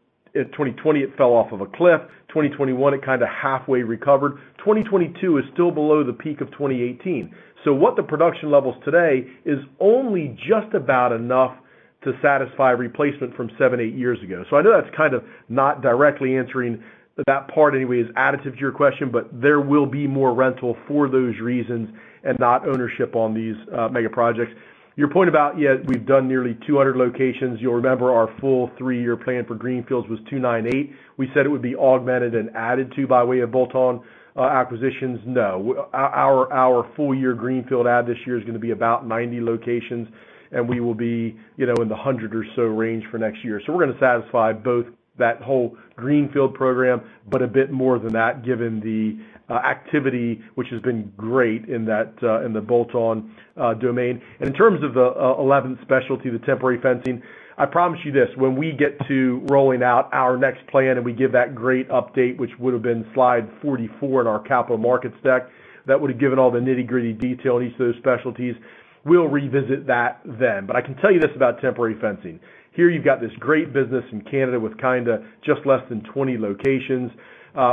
it fell off of a cliff. 2021, it kind of halfway recovered. 2022 is still below the peak of 2018. What the production levels today is only just about enough to satisfy replacement from 7, 8 years ago. I know that's kind of not directly answering that part anyway as additive to your question, but there will be more rental for those reasons and not ownership on these, mega projects. Your point about, yeah, we've done nearly 200 locations. You'll remember our full three-year plan for greenfields was 298. We said it would be augmented and added to by way of bolt-on acquisitions. No. Our full year greenfield add this year is gonna be about 90 locations, and we will be, you know, in the 100 or so range for next year. We're gonna satisfy both that whole greenfield program, but a bit more than that given the activity which has been great in that in the bolt-on domain. In terms of the 11th specialty, the temporary fencing, I promise you this. When we get to rolling out our next plan, and we give that great update, which would have been slide 44 in our capital markets deck, that would have given all the nitty-gritty detail in each of those specialties. We'll revisit that then. I can tell you this about temporary fencing. Here, you've got this great business in Canada with kinda just less than 20 locations.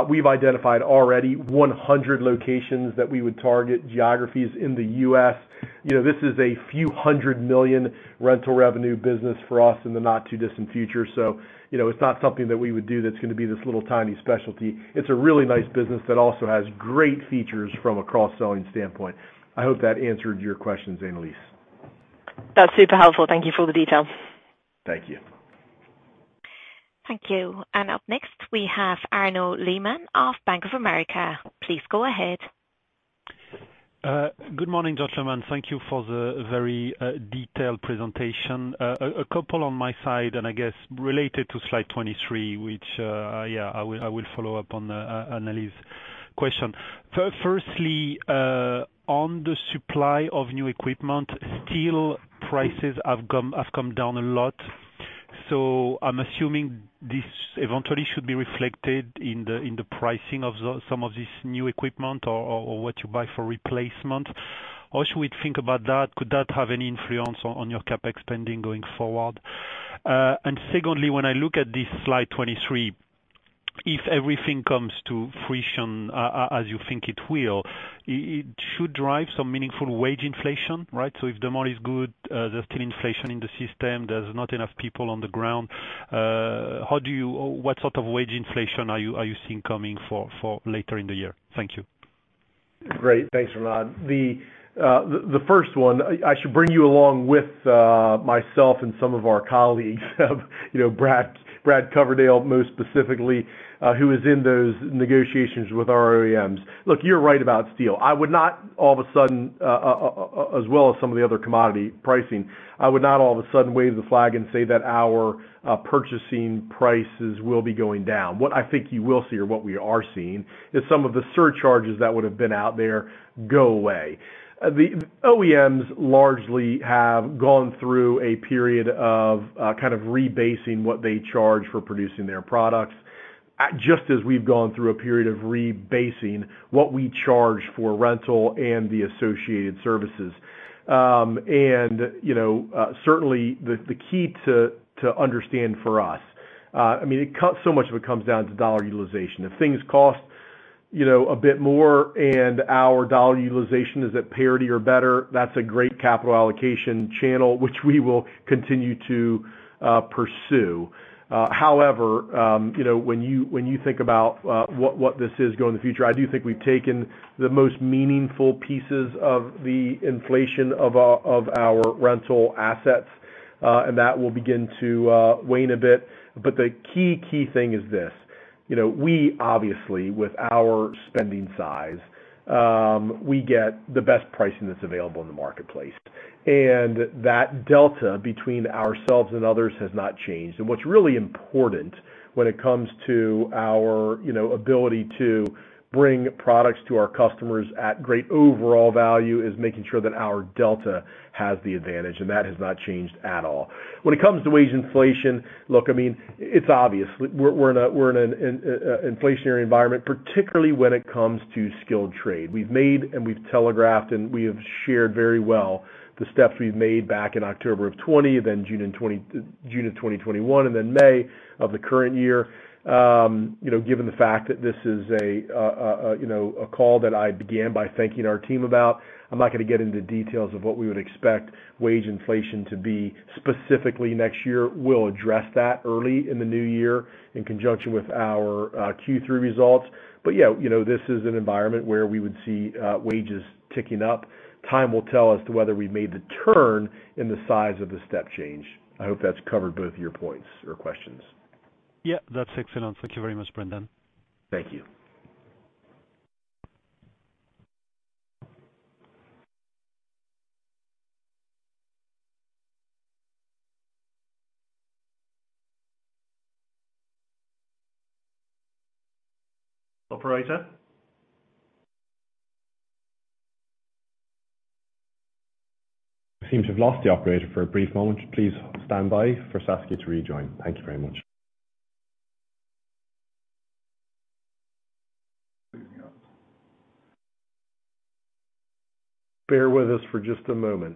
We've identified already 100 locations that we would target geographies in the US. You know, this is a $few hundred million rental revenue business for us in the not too distant future. You know, it's not something that we would do that's gonna be this little tiny specialty. It's a really nice business that also has great features from a cross-selling standpoint. I hope that answered your question, Annalise. That's super helpful. Thank you for all the detail. Thank you. Thank you. Up next, we have Arnaud Lehmann of Bank of America. Please go ahead. Good morning, gentlemen. Thank you for the very detailed presentation. A couple on my side, I guess related to slide 23, which, yeah, I will follow up on Annelies' question. Firstly, on the supply of new equipment, steel prices have come down a lot. I'm assuming this eventually should be reflected in the pricing of some of these new equipment or what you buy for replacement. How should we think about that? Could that have any influence on your CapEx spending going forward? Secondly, when I look at this slide 23, if everything comes to fruition, as you think it will, it should drive some meaningful wage inflation, right? If demand is good, there's still inflation in the system, there's not enough people on the ground. What sort of wage inflation are you seeing coming for later in the year? Thank you. Great. Thanks, Arnaud. The first one, I should bring you along with myself and some of our colleagues of, you know, Brad Coverdale, most specifically, who is in those negotiations with our OEMs. Look, you're right about steel. I would not all of a sudden, as well as some of the other commodity pricing. I would not all of a sudden wave the flag and say that our purchasing prices will be going down. What I think you will see or what we are seeing is some of the surcharges that would have been out there go away. The OEMs largely have gone through a period of kind of rebasing what they charge for producing their products, just as we've gone through a period of rebasing what we charge for rental and the associated services. You know, certainly the key to understand for us, I mean, so much of it comes down to dollar utilization. If things cost, you know, a bit more and our dollar utilization is at parity or better, that's a great capital allocation channel, which we will continue to pursue. However, you know, when you think about what this is going in the future, I do think we've taken the most meaningful pieces of the inflation of our rental assets, and that will begin to wane a bit. The key thing is this. You know, we obviously, with our spending size, we get the best pricing that's available in the marketplace. That delta between ourselves and others has not changed. What's really important when it comes to our, you know, ability to bring products to our customers at great overall value is making sure that our delta has the advantage, and that has not changed at all. When it comes to wage inflation, look, I mean, it's obvious. We're in an inflationary environment, particularly when it comes to skilled trade. We've made and we've telegraphed and we have shared very well the steps we've made back in October 2020, then June of 2021, and then May of the current year. You know, given the fact that this is a, you know, a call that I began by thanking our team about, I'm not gonna get into details of what we would expect wage inflation to be specifically next year. We'll address that early in the new year in conjunction with our Q3 results. Yeah, you know, this is an environment where we would see wages ticking up. Time will tell as to whether we made the turn in the size of the step change. I hope that's covered both your points or questions. Yeah, that's excellent. Thank you very much, Brendan. Thank you. Operator? We seem to have lost the operator for a brief moment. Please stand by for Saskia to rejoin. Thank you very much. Bear with us for just a moment.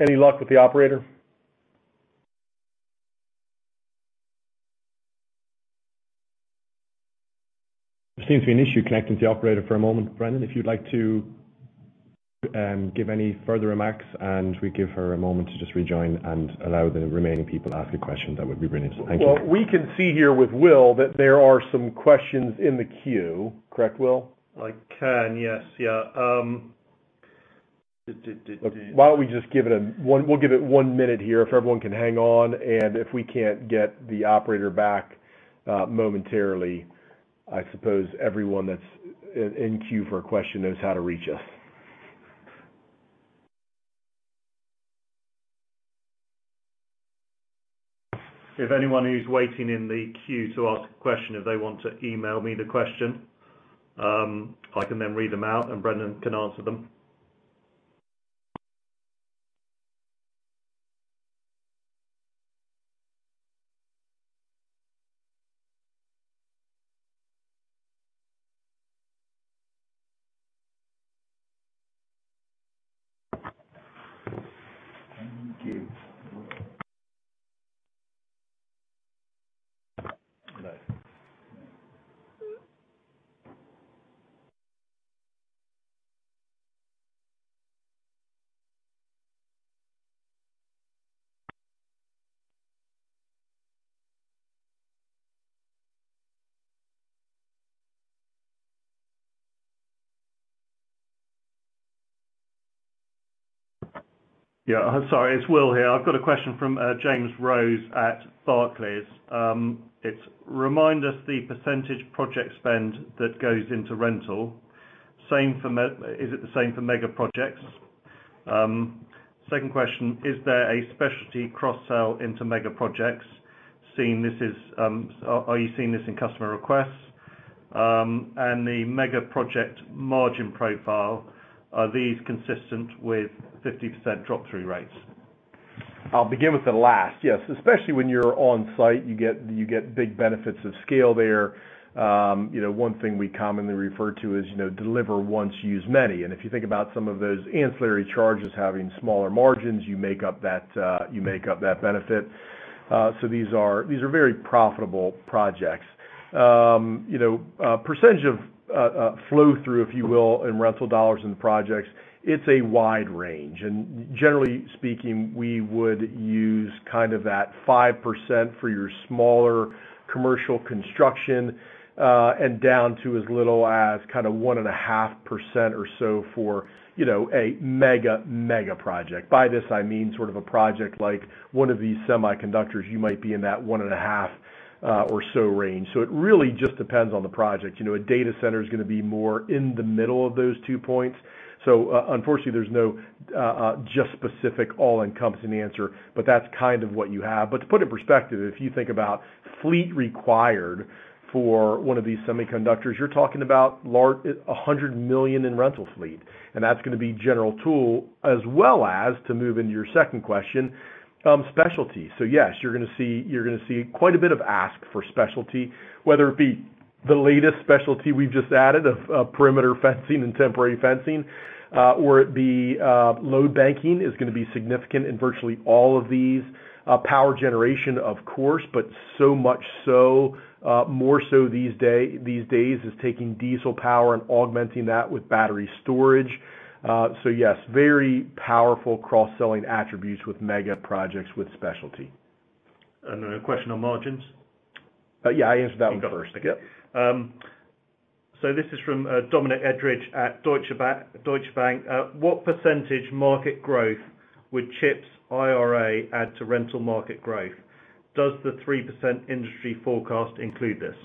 Any luck with the operator? There seems to be an issue connecting to the operator for a moment. Brendan, if you'd like to give any further remarks, and we give her a moment to just rejoin and allow the remaining people to ask a question, that would be brilliant. Thank you. Well, we can see here with Will that there are some questions in the queue. Correct, Will? I can, yes. Yeah. Why don't we just give it one, we'll give it one minute here, if everyone can hang on, and if we can't get the operator back, momentarily, I suppose everyone that's in queue for a question knows how to reach us. If anyone who's waiting in the queue to ask a question, if they want to email me the question, I can then read them out, and Brendan can answer them. Thank you. Yeah. Sorry, it's Will here. I've got a question from James Rose at Barclays. It's: remind us the % project spend that goes into rental. Same for is it the same for mega projects? Second question, is there a specialty cross-sell into mega projects, are you seeing this in customer requests? The mega project margin profile, are these consistent with 50% drop-through rates? I'll begin with the last. Yes, especially when you're on site, you get big benefits of scale there. you know, one thing we commonly refer to is, you know, deliver once, use many. If you think about some of those ancillary charges having smaller margins, you make up that benefit. These are very profitable projects. you know, percentage of flow through, if you will, in rental dollars in the projects, it's a wide range. Generally speaking, we would use kind of that 5% for your smaller commercial construction, and down to as little as kind of 1.5% or so for, you know, a mega project. By this I mean sort of a project like one of these semiconductors, you might be in that 1.5, or so range. It really just depends on the project. You know, a data center is gonna be more in the middle of those two points. Unfortunately, there's no, just specific all-encompassing answer, but that's kind of what you have. To put in perspective, if you think about fleet required for one of these semiconductors, you're talking about $100 million in rental fleet, and that's gonna be general tool as well as, to move into your second question, specialty. Yes, you're gonna see quite a bit of ask for specialty, whether it be the latest specialty we've just added of perimeter fencing and temporary fencing, or it be load banking is gonna be significant in virtually all of these. Power generation, of course, but so much so, more so these days, is taking diesel power and augmenting that with battery storage. Yes, very powerful cross-selling attributes with mega projects with specialty. Then a question on margins. Yeah, I answered that one first. This is from Dominic Edridge at Deutsche Bank. What percentage market growth would CHIPS IRA add to rental market growth? Does the 3% industry forecast include this?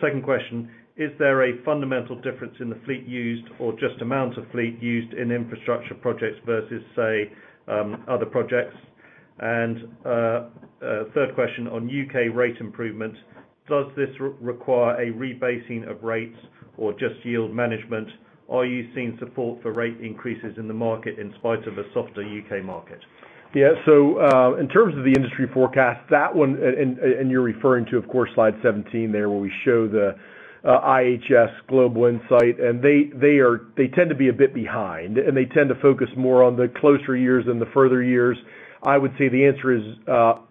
Second question, is there a fundamental difference in the fleet used or just amount of fleet used in infrastructure projects versus, say, other projects? Third question on U.K. rate improvement. Does this require a rebasing of rates or just yield management? Are you seeing support for rate increases in the market in spite of a softer U.K. market? Yeah. In terms of the industry forecast, that one, and you're referring to, of course, slide 17 there, where we show the IHS Global Insight. They tend to be a bit behind, and they tend to focus more on the closer years than the further years. I would say the answer is,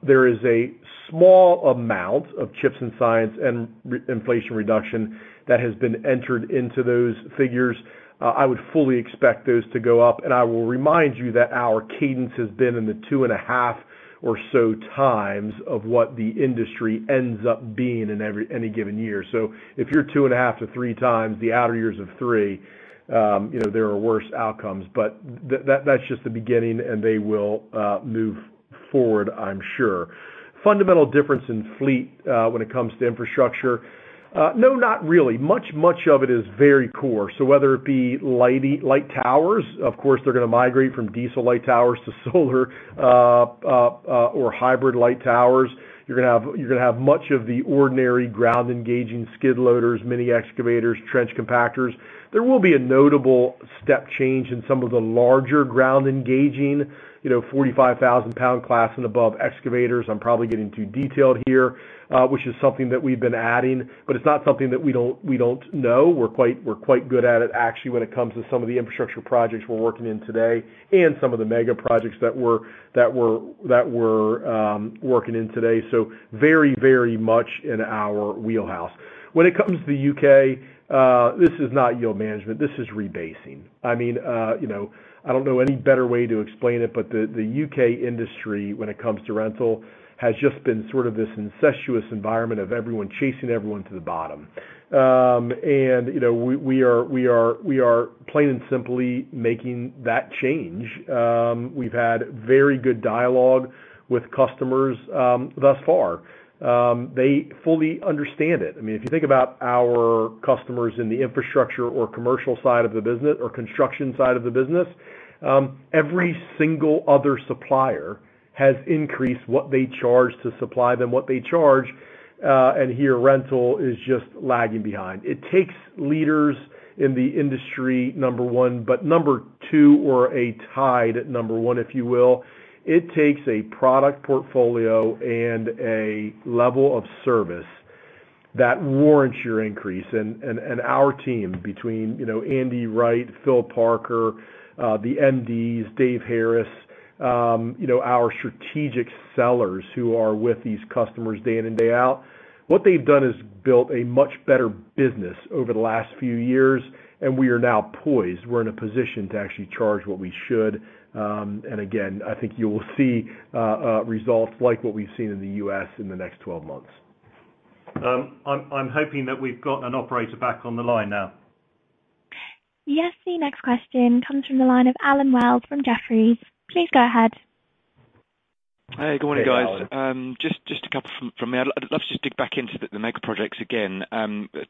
there is a small amount of CHIPS and Science and Inflation Reduction that has been entered into those figures. I would fully expect those to go up. I will remind you that our cadence has been in the 2.5 or so times of what the industry ends up being in every, any given year. If you're 2.5-3 times the outer years of three, you know, there are worse outcomes. That's just the beginning, and they will move forward, I'm sure. Fundamental difference in fleet when it comes to infrastructure. No, not really. Much of it is very core. Whether it be light towers, of course, they're gonna migrate from diesel light towers to solar or hybrid light towers. You're gonna have much of the ordinary ground-engaging skid loaders, mini excavators, trench compactors. There will be a notable step change in some of the larger ground engaging, you know, 45,000 lbs class and above excavators. I'm probably getting too detailed here, which is something that we've been adding, but it's not something that we don't know. We're quite, we're quite good at it, actually, when it comes to some of the infrastructure projects we're working in today and some of the mega projects that we're, that we're, that we're, um, working in today. So very, very much in our wheelhouse. When it comes to the UK, uh, this is not yield management, this is rebasing. I mean, uh, you know, I don't know any better way to explain it, but the UK industry, when it comes to rental, has just been sort of this incestuous environment of everyone chasing everyone to the bottom. Um, and, you know, we are, we are, we are plain and simply making that change. Um, we've had very good dialogue with customers, um, thus far. Um, they fully understand it. I mean, if you think about our customers in the infrastructure or commercial side of the business or construction side of the business, every single other supplier has increased what they charge to supply them, what they charge, and here rental is just lagging behind. It takes leaders in the industry, number one, but number two or a tied at number one1, if you will, it takes a product portfolio and a level of service that warrants your increase. Our team between, you know, Andy Wright, Phil Parker, the MDs, Dave Harris, you know, our strategic sellers who are with these customers day in and day out, what they've done is built a much better business over the last few years, and we are now poised. We're in a position to actually charge what we should. Again, I think you will see results like what we've seen in the U.S. in the next 12 months. I'm hoping that we've got an operator back on the line now. Yes. The next question comes from the line of Allen Wells from Jefferies. Please go ahead. Hey, good morning, guys. Hey, Allen. Just a couple from me. I'd love to just dig back into the mega projects again.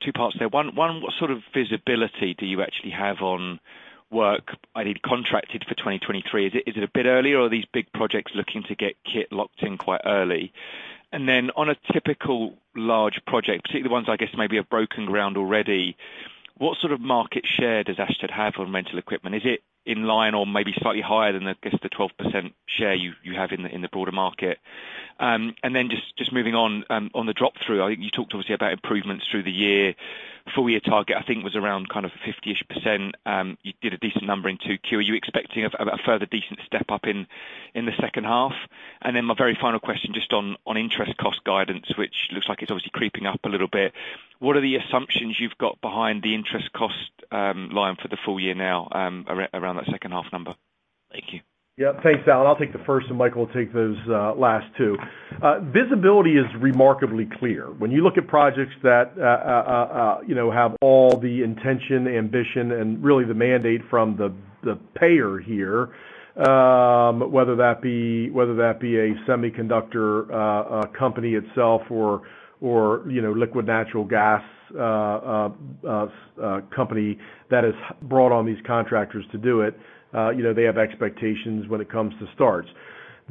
Two parts there. One, what sort of visibility do you actually have on work, i.e. contracted for 2023? Is it a bit early or are these big projects looking to get kit locked in quite early? On a typical large project, particularly ones I guess maybe have broken ground already, what sort of market share does Ashtead have on rental equipment? Is it in line or maybe slightly higher than the, I guess the 12% share you have in the broader market? Just moving on the drop-through. I think you talked obviously about improvements through the year. Full year target, I think was around kind of 50%-ish. You did a decent number in 2Q. Are you expecting a further decent step up in the second half? My very final question, just on interest cost guidance, which looks like it's obviously creeping up a little bit. What are the assumptions you've got behind the interest cost line for the full year now around that second half number? Thank you. Yeah. Thanks, Allen. I'll take the first, and Michael will take those last two. Visibility is remarkably clear. When you look at projects that, you know, have all the intention, ambition, and really the mandate from the payer here, whether that be, whether that be a semiconductor company itself or, you know, liquid natural gas company that has brought on these contractors to do it, you know, they have expectations when it comes to starts.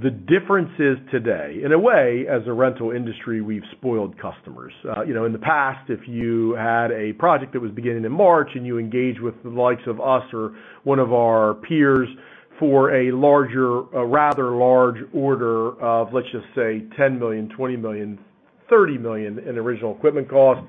The difference is today, in a way, as a rental industry, we've spoiled customers. You know, in the past, if you had a project that was beginning in March and you engage with the likes of us or one of our peers for a larger, a rather large order of, let's just say, $10 million, $20 million, $30 million in original equipment cost,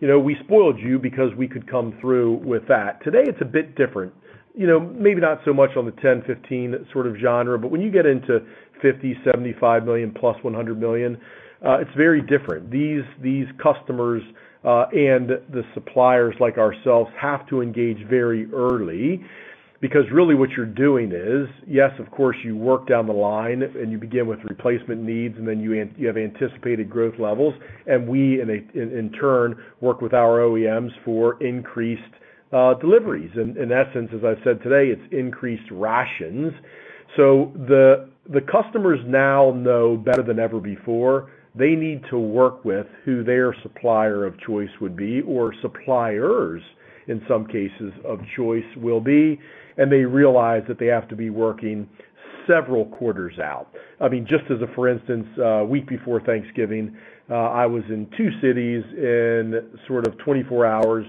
we spoiled you because we could come through with that. Today it's a bit different. Maybe not so much on the 10, 15 sort of genre, but when you get into $50 million, $75 million plus $100 million, it's very different. These customers and the suppliers like ourselves, have to engage very early because really what you're doing is, yes, of course, you work down the line and you begin with replacement needs, and then you have anticipated growth levels, and we in turn, work with our OEMs for increased deliveries. In essence, as I've said today, it's increased rations. The customers now know better than ever before they need to work with who their supplier of choice would be or suppliers, in some cases, of choice will be, and they realize that they have to be working somewhat, several quarters out. I mean, just as a for instance, week before Thanksgiving, I was in two cities in sort of 24 hours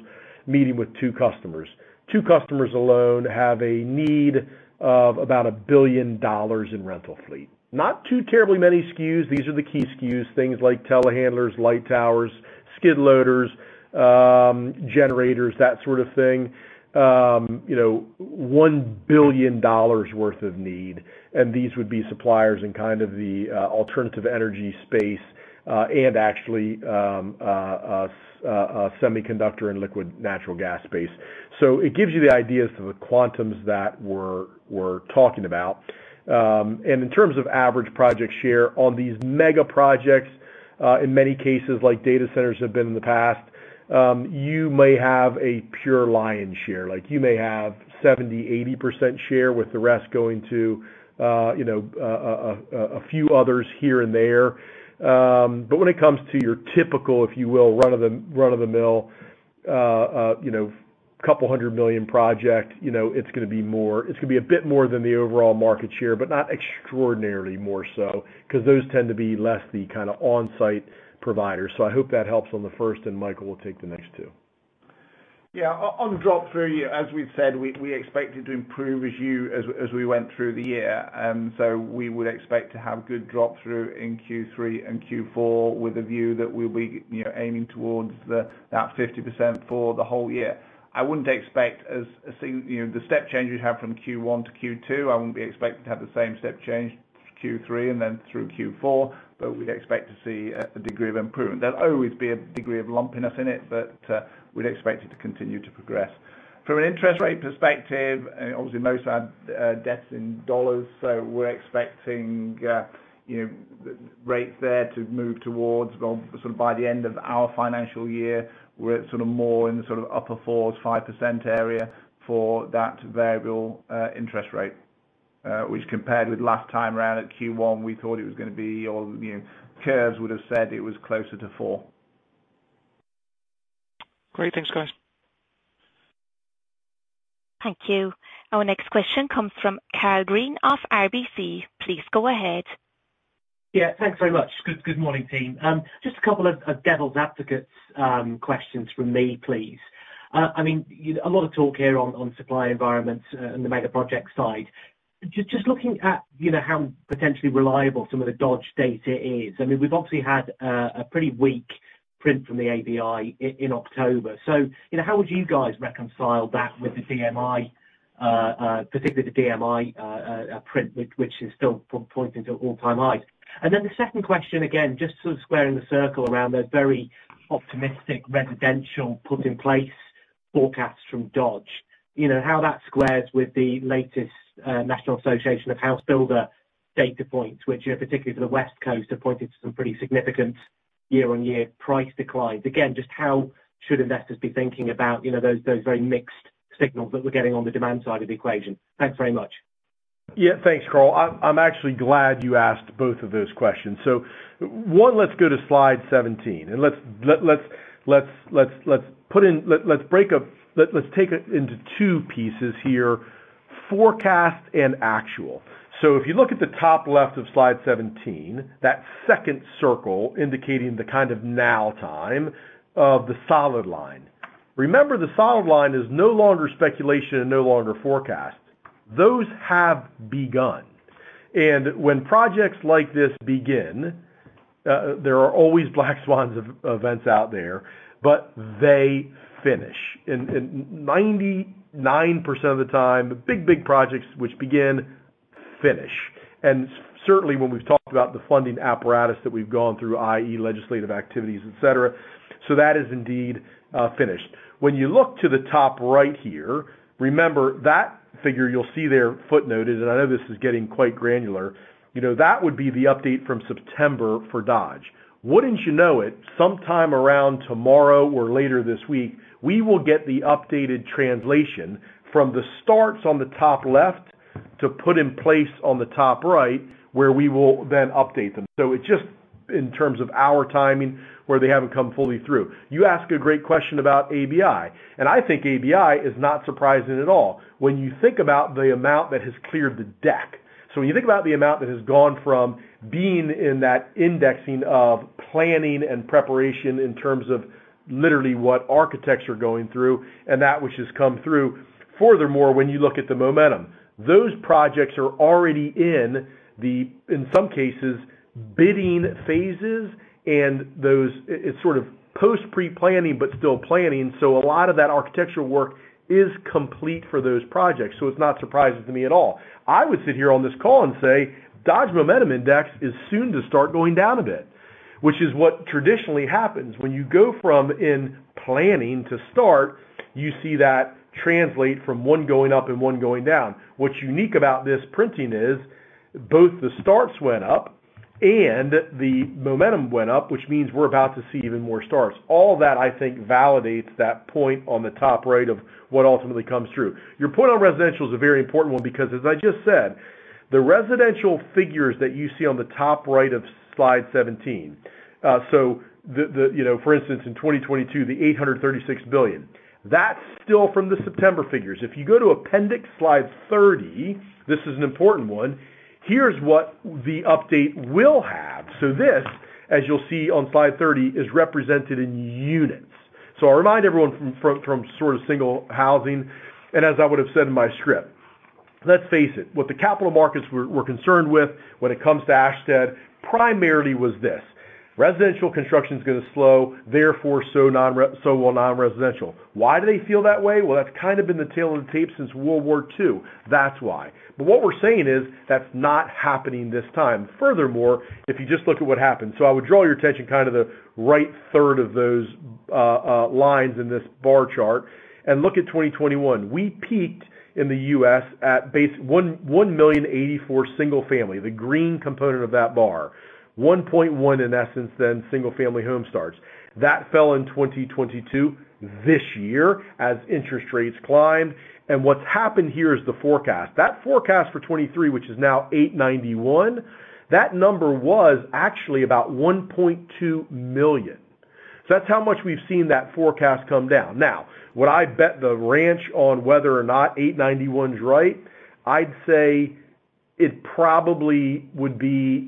meeting with two customers. Two customers alone have a need of about $1 billion in rental fleet. Not too terribly many SKUs. These are the key SKUs, things like telehandlers, light towers, skid loaders, generators, that sort of thing. You know, $1 billion worth of need. These would be suppliers in kind of the alternative energy space, and actually, semiconductor and liquid natural gas space. It gives you the ideas of the quantums that we're talking about. And in terms of average project share on these mega projects, in many cases, like data centers have been in the past, you may have a pure lion share. Like, you may have 70%-80% share, with the rest going to, you know, a few others here and there. When it comes to your typical, if you will, run-of-the-mill, you know, $200 million project, you know, it's gonna be a bit more than the overall market share, but not extraordinarily more so, 'cause those tend to be less the kind of on-site providers. I hope that helps on the first, and Michael will take the next two. Yeah. On drop through, as we've said, we expected to improve as we went through the year. So we would expect to have good drop through in Q3 and Q4 with a view that we'll be, you know, aiming towards that 50% for the whole year. I wouldn't expect as you know, the step change we've had from Q1 to Q2, I wouldn't be expecting to have the same step change Q3 and then through Q4, but we'd expect to see a degree of improvement. There'll always be a degree of lumpiness in it, but we'd expect it to continue to progress. From an interest rate perspective, obviously, most our debt's in dollars. We're expecting, you know, rates there to move towards or sort of by the end of our financial year, we're sort of more in the sort of upper 4%, 5% area for that variable interest rate, which compared with last time around at Q1, we thought it was gonna be, or, you know, curves would have said it was closer to four. Great. Thanks, guys. Thank you. Our next question comes from Karl Green of RBC. Please go ahead. Thanks very much. Good morning, team. Just a couple of devil's advocates questions from me, please. I mean, a lot of talk here on supply environments and the mega project side. Just looking at, you know, how potentially reliable some of the Dodge data is, I mean, we've obviously had a pretty weak print from the ABI in October. You know, how would you guys reconcile that with the DMI, particularly the DMI print, which is still pointing to all-time highs? The second question, again, just sort of squaring the circle around the very optimistic residential put in place forecasts from Dodge. You know, how that squares with the latest, National Association of Home Builders data points, which, particularly for the West Coast, have pointed to some pretty significant year-on-year price declines. Again, just how should investors be thinking about, you know, those very mixed signals that we're getting on the demand side of the equation? Thanks very much. Yeah. Thanks, Karl. I'm actually glad you asked both of those questions. One, let's go to slide 17, and let's take it into two pieces here, forecast and actual. If you look at the top left of slide 17, that second circle indicating the kind of now time of the solid line. Remember, the solid line is no longer speculation and no longer forecast. Those have begun. When projects like this begin, there are always black swans of events out there, but they finish. And 99% of the time, big projects which begin, finish. Certainly, when we've talked about the funding apparatus that we've gone through, i.e., legislative activities, et cetera. That is indeed finished. When you look to the top right here, remember that figure you'll see there footnoted, and I know this is getting quite granular. You know, that would be the update from September for Dodge. Wouldn't you know it, sometime around tomorrow or later this week, we will get the updated translation from the starts on the top left to put in place on the top right, where we will then update them. It's just in terms of our timing, where they haven't come fully through. You ask a great question about ABI, and I think ABI is not surprising at all when you think about the amount that has cleared the deck. When you think about the amount that has gone from being in that indexing of planning and preparation in terms of literally what architects are going through and that which has come through. Furthermore, when you look at the momentum, those projects are already in some cases, bidding phases and it's sort of post-pre-planning, but still planning, so a lot of that architectural work is complete for those projects, so it's not surprising to me at all. I would sit here on this call and say, "Dodge Momentum Index is soon to start going down a bit," which is what traditionally happens. When you go from in planning to start, you see that translate from one going up and one going down. What's unique about this printing is both the starts went up and the momentum went up, which means we're about to see even more starts. All that, I think, validates that point on the top right of what ultimately comes through. Your point on residential is a very important one because, as I just said. The residential figures that you see on the top right of slide 17, you know, for instance, in 2022, the $836 billion, that's still from the September figures. If you go to appendix slide 30, this is an important one. Here's what the update will have. This, as you'll see on slide 30, is represented in units. I'll remind everyone from sort of single housing, and as I would have said in my script, let's face it, what the capital markets we're concerned with when it comes to Ashtead primarily was this: residential construction is going to slow, therefore, so will non-residential. Why do they feel that way? Well, that's kind of been the tale of the tape since World War II, that's why. What we're saying is that's not happening this time. Furthermore, if you just look at what happened. I would draw your attention kind of the right third of those lines in this bar chart and look at 2021. We peaked in the U.S. at base 1,084,000 single family, the green component of that bar. 1.1 in essence, then single family home starts. That fell in 2022 this year as interest rates climbed. What's happened here is the forecast. That forecast for 2023, which is now 891, that number was actually about 1.2 million. That's how much we've seen that forecast come down. Now, would I bet the ranch on whether or not 891's right? I'd say it probably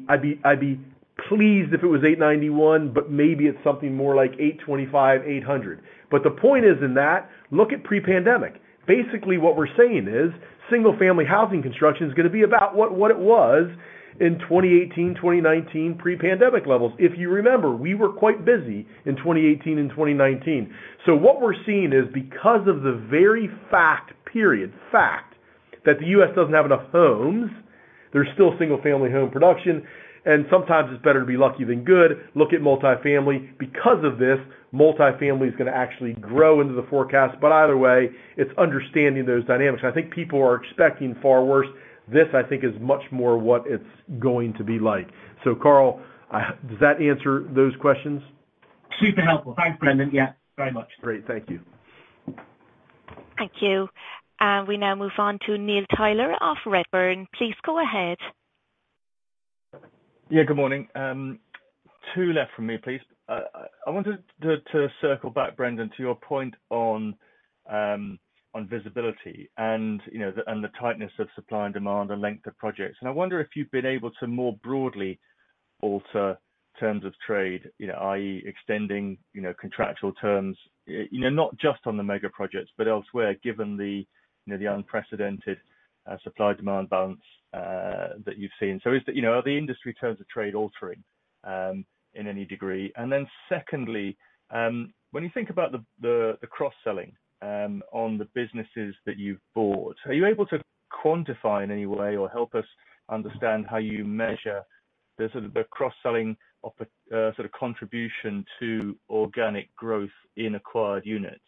I'd be pleased if it was 891, but maybe it's something more like 825, 800. The point is in that, look at pre-pandemic. Basically, what we're saying is single family housing construction is going to be about what it was in 2018, 2019 pre-pandemic levels. If you remember, we were quite busy in 2018 and 2019. What we're seeing is because of the very fact that the U.S. doesn't have enough homes, there's still single family home production, and sometimes it's better to be lucky than good. Look at multifamily. Because of this, multifamily is going to actually grow into the forecast, but either way, it's understanding those dynamics. I think people are expecting far worse. This, I think is much more what it's going to be like. Karl, does that answer those questions? Super helpful. Thanks, Brendan. Yeah, very much. Great. Thank you. Thank you. We now move on to Neil Tyler of Redburn. Please go ahead. Yeah, good morning. two left for me, please. I wanted to circle back, Brendan, to your point on visibility and, you know, and the tightness of supply and demand and length of projects. I wonder if you've been able to more broadly alter terms of trade, you know, i.e., extending, you know, contractual terms, you know, not just on the mega projects, but elsewhere, given the, you know, the unprecedented supply demand balance that you've seen. Are the industry terms of trade altering in any degree? Secondly, when you think about the cross-selling on the businesses that you've bought, are you able to quantify in any way or help us understand how you measure the sort of, the cross-selling sort of contribution to organic growth in acquired units?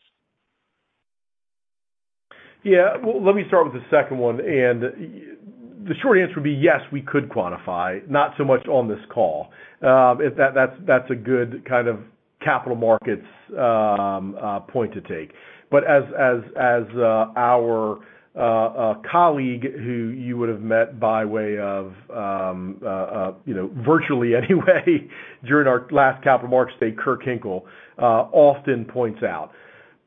Well, let me start with the second one, the short answer would be, yes, we could quantify, not so much on this call. That's a good kind of capital markets point to take. As our colleague who you would have met by way of, you know, virtually anyway, during our last capital markets day, Kurt Hinkle, often points out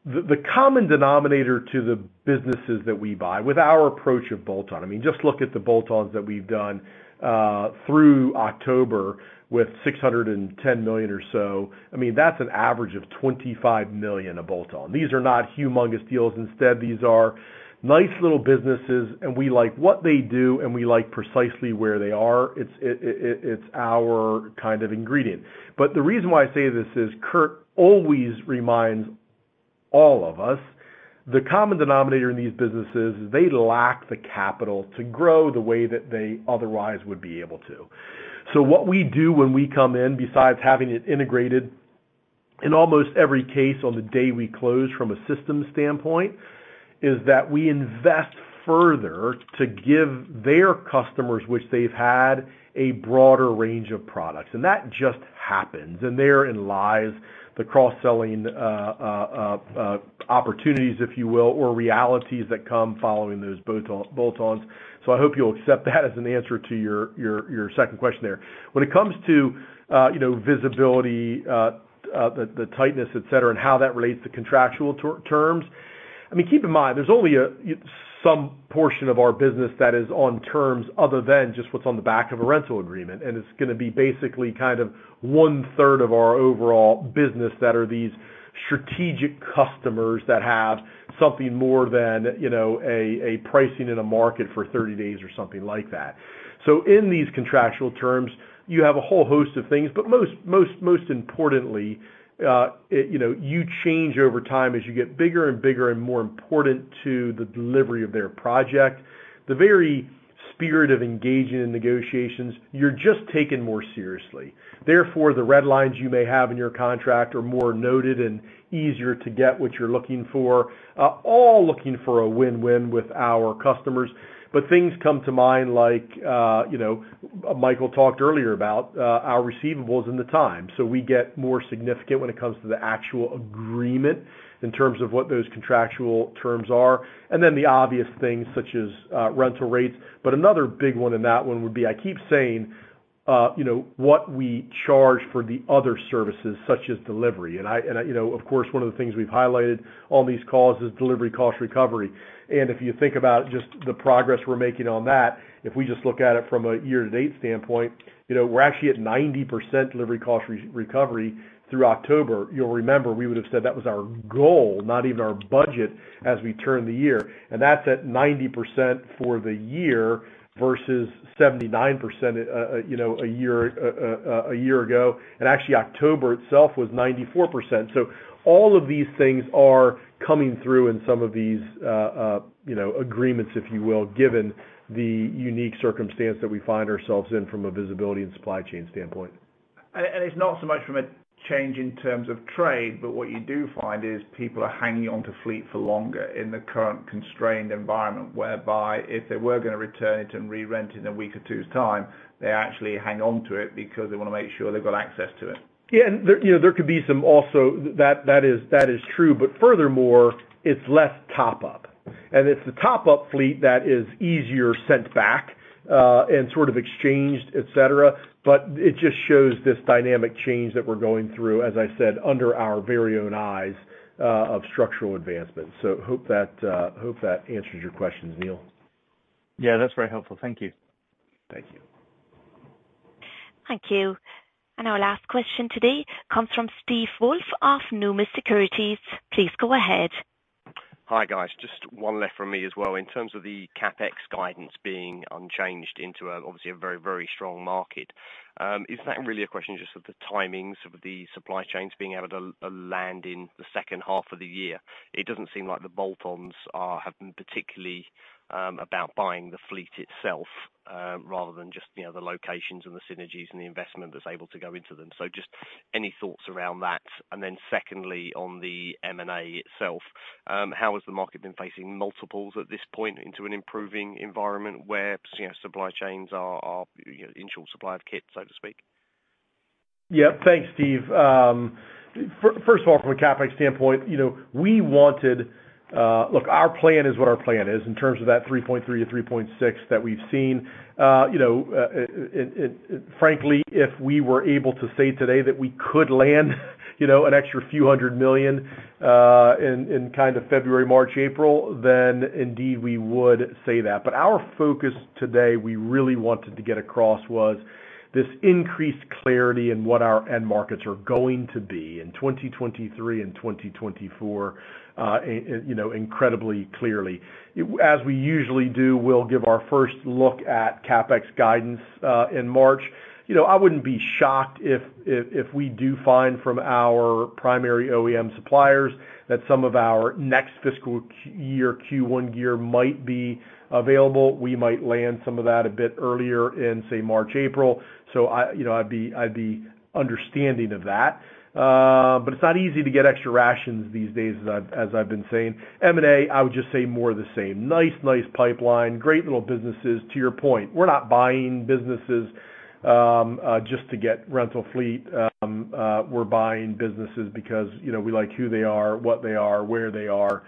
the common denominator to the businesses that we buy with our approach of bolt-on. I mean, just look at the bolt-ons that we've done through October with $610 million or so. I mean, that's an average of $25 million a bolt-on. These are not humongous deals. Instead, these are nice little businesses, and we like what they do, and we like precisely where they are. It's our kind of ingredient. The reason why I say this is Kurt always reminds all of us the common denominator in these businesses is they lack the capital to grow the way that they otherwise would be able to. What we do when we come in, besides having it integrated in almost every case on the day we close from a systems standpoint, is that we invest further to give their customers, which they've had, a broader range of products. That just happens. Therein lies the cross-selling opportunities, if you will, or realities that come following those bolt-ons. I hope you'll accept that as an answer to your, your second question there. When it comes to, you know, visibility, the tightness, et cetera, and how that relates to contractual terms, I mean, keep in mind, there's only some portion of our business that is on terms other than just what's on the back of a rental agreement. It's gonna be basically kind of 1/3 of our overall business that are these strategic customers that have something more than, you know, a pricing in a market for 30 days or something like that. In these contractual terms, you have a whole host of things, but most importantly, you know, you change over time as you get bigger and bigger and more important to the delivery of their project. The very spirit of engaging in negotiations, you're just taken more seriously. Therefore, the red lines you may have in your contract are more noted and easier to get what you're looking for, all looking for a win-win with our customers. Things come to mind like, you know, Michael talked earlier about, our receivables and the time. We get more significant when it comes to the actual agreement in terms of what those contractual terms are, and then the obvious things such as, rental rates. Another big one in that one would be, you know, what we charge for the other services such as delivery. I, you know, of course, one of the things we've highlighted on these calls is delivery cost recovery. If you think about just the progress we're making on that, if we just look at it from a year-to-date standpoint, you know, we're actually at 90% delivery cost recovery through October. You'll remember we would have said that was our goal, not even our budget as we turn the year. That's at 90% for the year versus 79%, you know, a year ago. Actually, October itself was 94%. All of these things are coming through in some of these, you know, agreements, if you will, given the unique circumstance that we find ourselves in from a visibility and supply chain standpoint. It's not so much from a change in terms of trade, but what you do find is people are hanging onto fleet for longer in the current constrained environment, whereby if they were gonna return it and re-rent in a week or two's time, they actually hang on to it because they wanna make sure they've got access to it. Yeah. There, you know, there could be some also... That is true. Furthermore, it's less top up. It's the top up fleet that is easier sent back and sort of exchanged, et cetera. It just shows this dynamic change that we're going through, as I said, under our very own eyes, of structural advancement. Hope that answers your question, Neil. Yeah, that's very helpful. Thank you. Thank you. Thank you. Our last question today comes from Steve Woolf of Numis Securities. Please go ahead. Hi, guys. Just one left from me as well. In terms of the CapEx guidance being unchanged into a, obviously a very, very strong market, is that really a question just of the timing, sort of the supply chains being able to land in the second half of the year? It doesn't seem like the bolt-ons have been particularly about buying the fleet itself, rather than just, you know, the locations and the synergies and the investment that's able to go into them. Just any thoughts around that. Secondly, on the M&A itself, how has the market been facing multiples at this point into an improving environment where, you know, supply chains are, you know, in short supply of kit, so to speak? Yeah. Thanks, Steve. First of all, from a CapEx standpoint, you know, we wanted. Look, our plan is what our plan is in terms of that $3.3 billion-$3.6 billion that we've seen. you know, Frankly, if we were able to say today that we could land, you know, an extra $few hundred million, in kind of February, March, April, then indeed we would say that. Our focus today, we really wanted to get across was this increased clarity in what our end markets are going to be in 2023 and 2024, and, you know, incredibly clearly. As we usually do, we'll give our first look at CapEx guidance in March. You know, I wouldn't be shocked if we do find from our primary OEM suppliers that some of our next fiscal year Q1 gear might be available. We might land some of that a bit earlier in, say, March, April. I, you know, I'd be understanding of that. But it's not easy to get extra rations these days, as I've been saying. M&A, I would just say more of the same. Nice pipeline, great little businesses. To your point, we're not buying businesses, just to get rental fleet. We're buying businesses because, you know, we like who they are, what they are, where they are,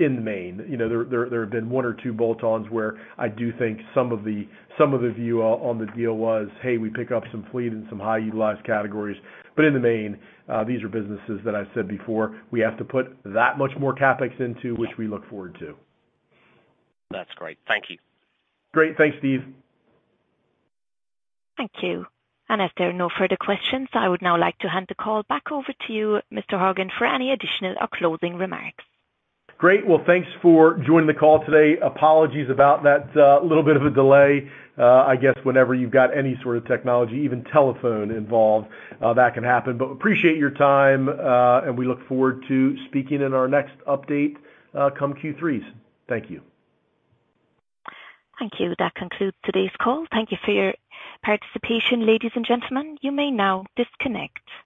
in the main. You know, there have been one or two bolt-ons where I do think some of the, some of the view on the deal was, "Hey, we pick up some fleet in some high utilized categories." In the main, these are businesses that I've said before, we have to put that much more CapEx into, which we look forward to. That's great. Thank you. Great. Thanks, Steve. Thank you. If there are no further questions, I would now like to hand the call back over to you, Mr. Hogan, for any additional or closing remarks. Great. Well, thanks for joining the call today. Apologies about that, little bit of a delay. I guess whenever you've got any sort of technology, even telephone involved, that can happen. Appreciate your time, and we look forward to speaking in our next update, come Q3. Thank you. Thank you. That concludes today's call. Thank you for your participation, ladies and gentlemen. You may now disconnect.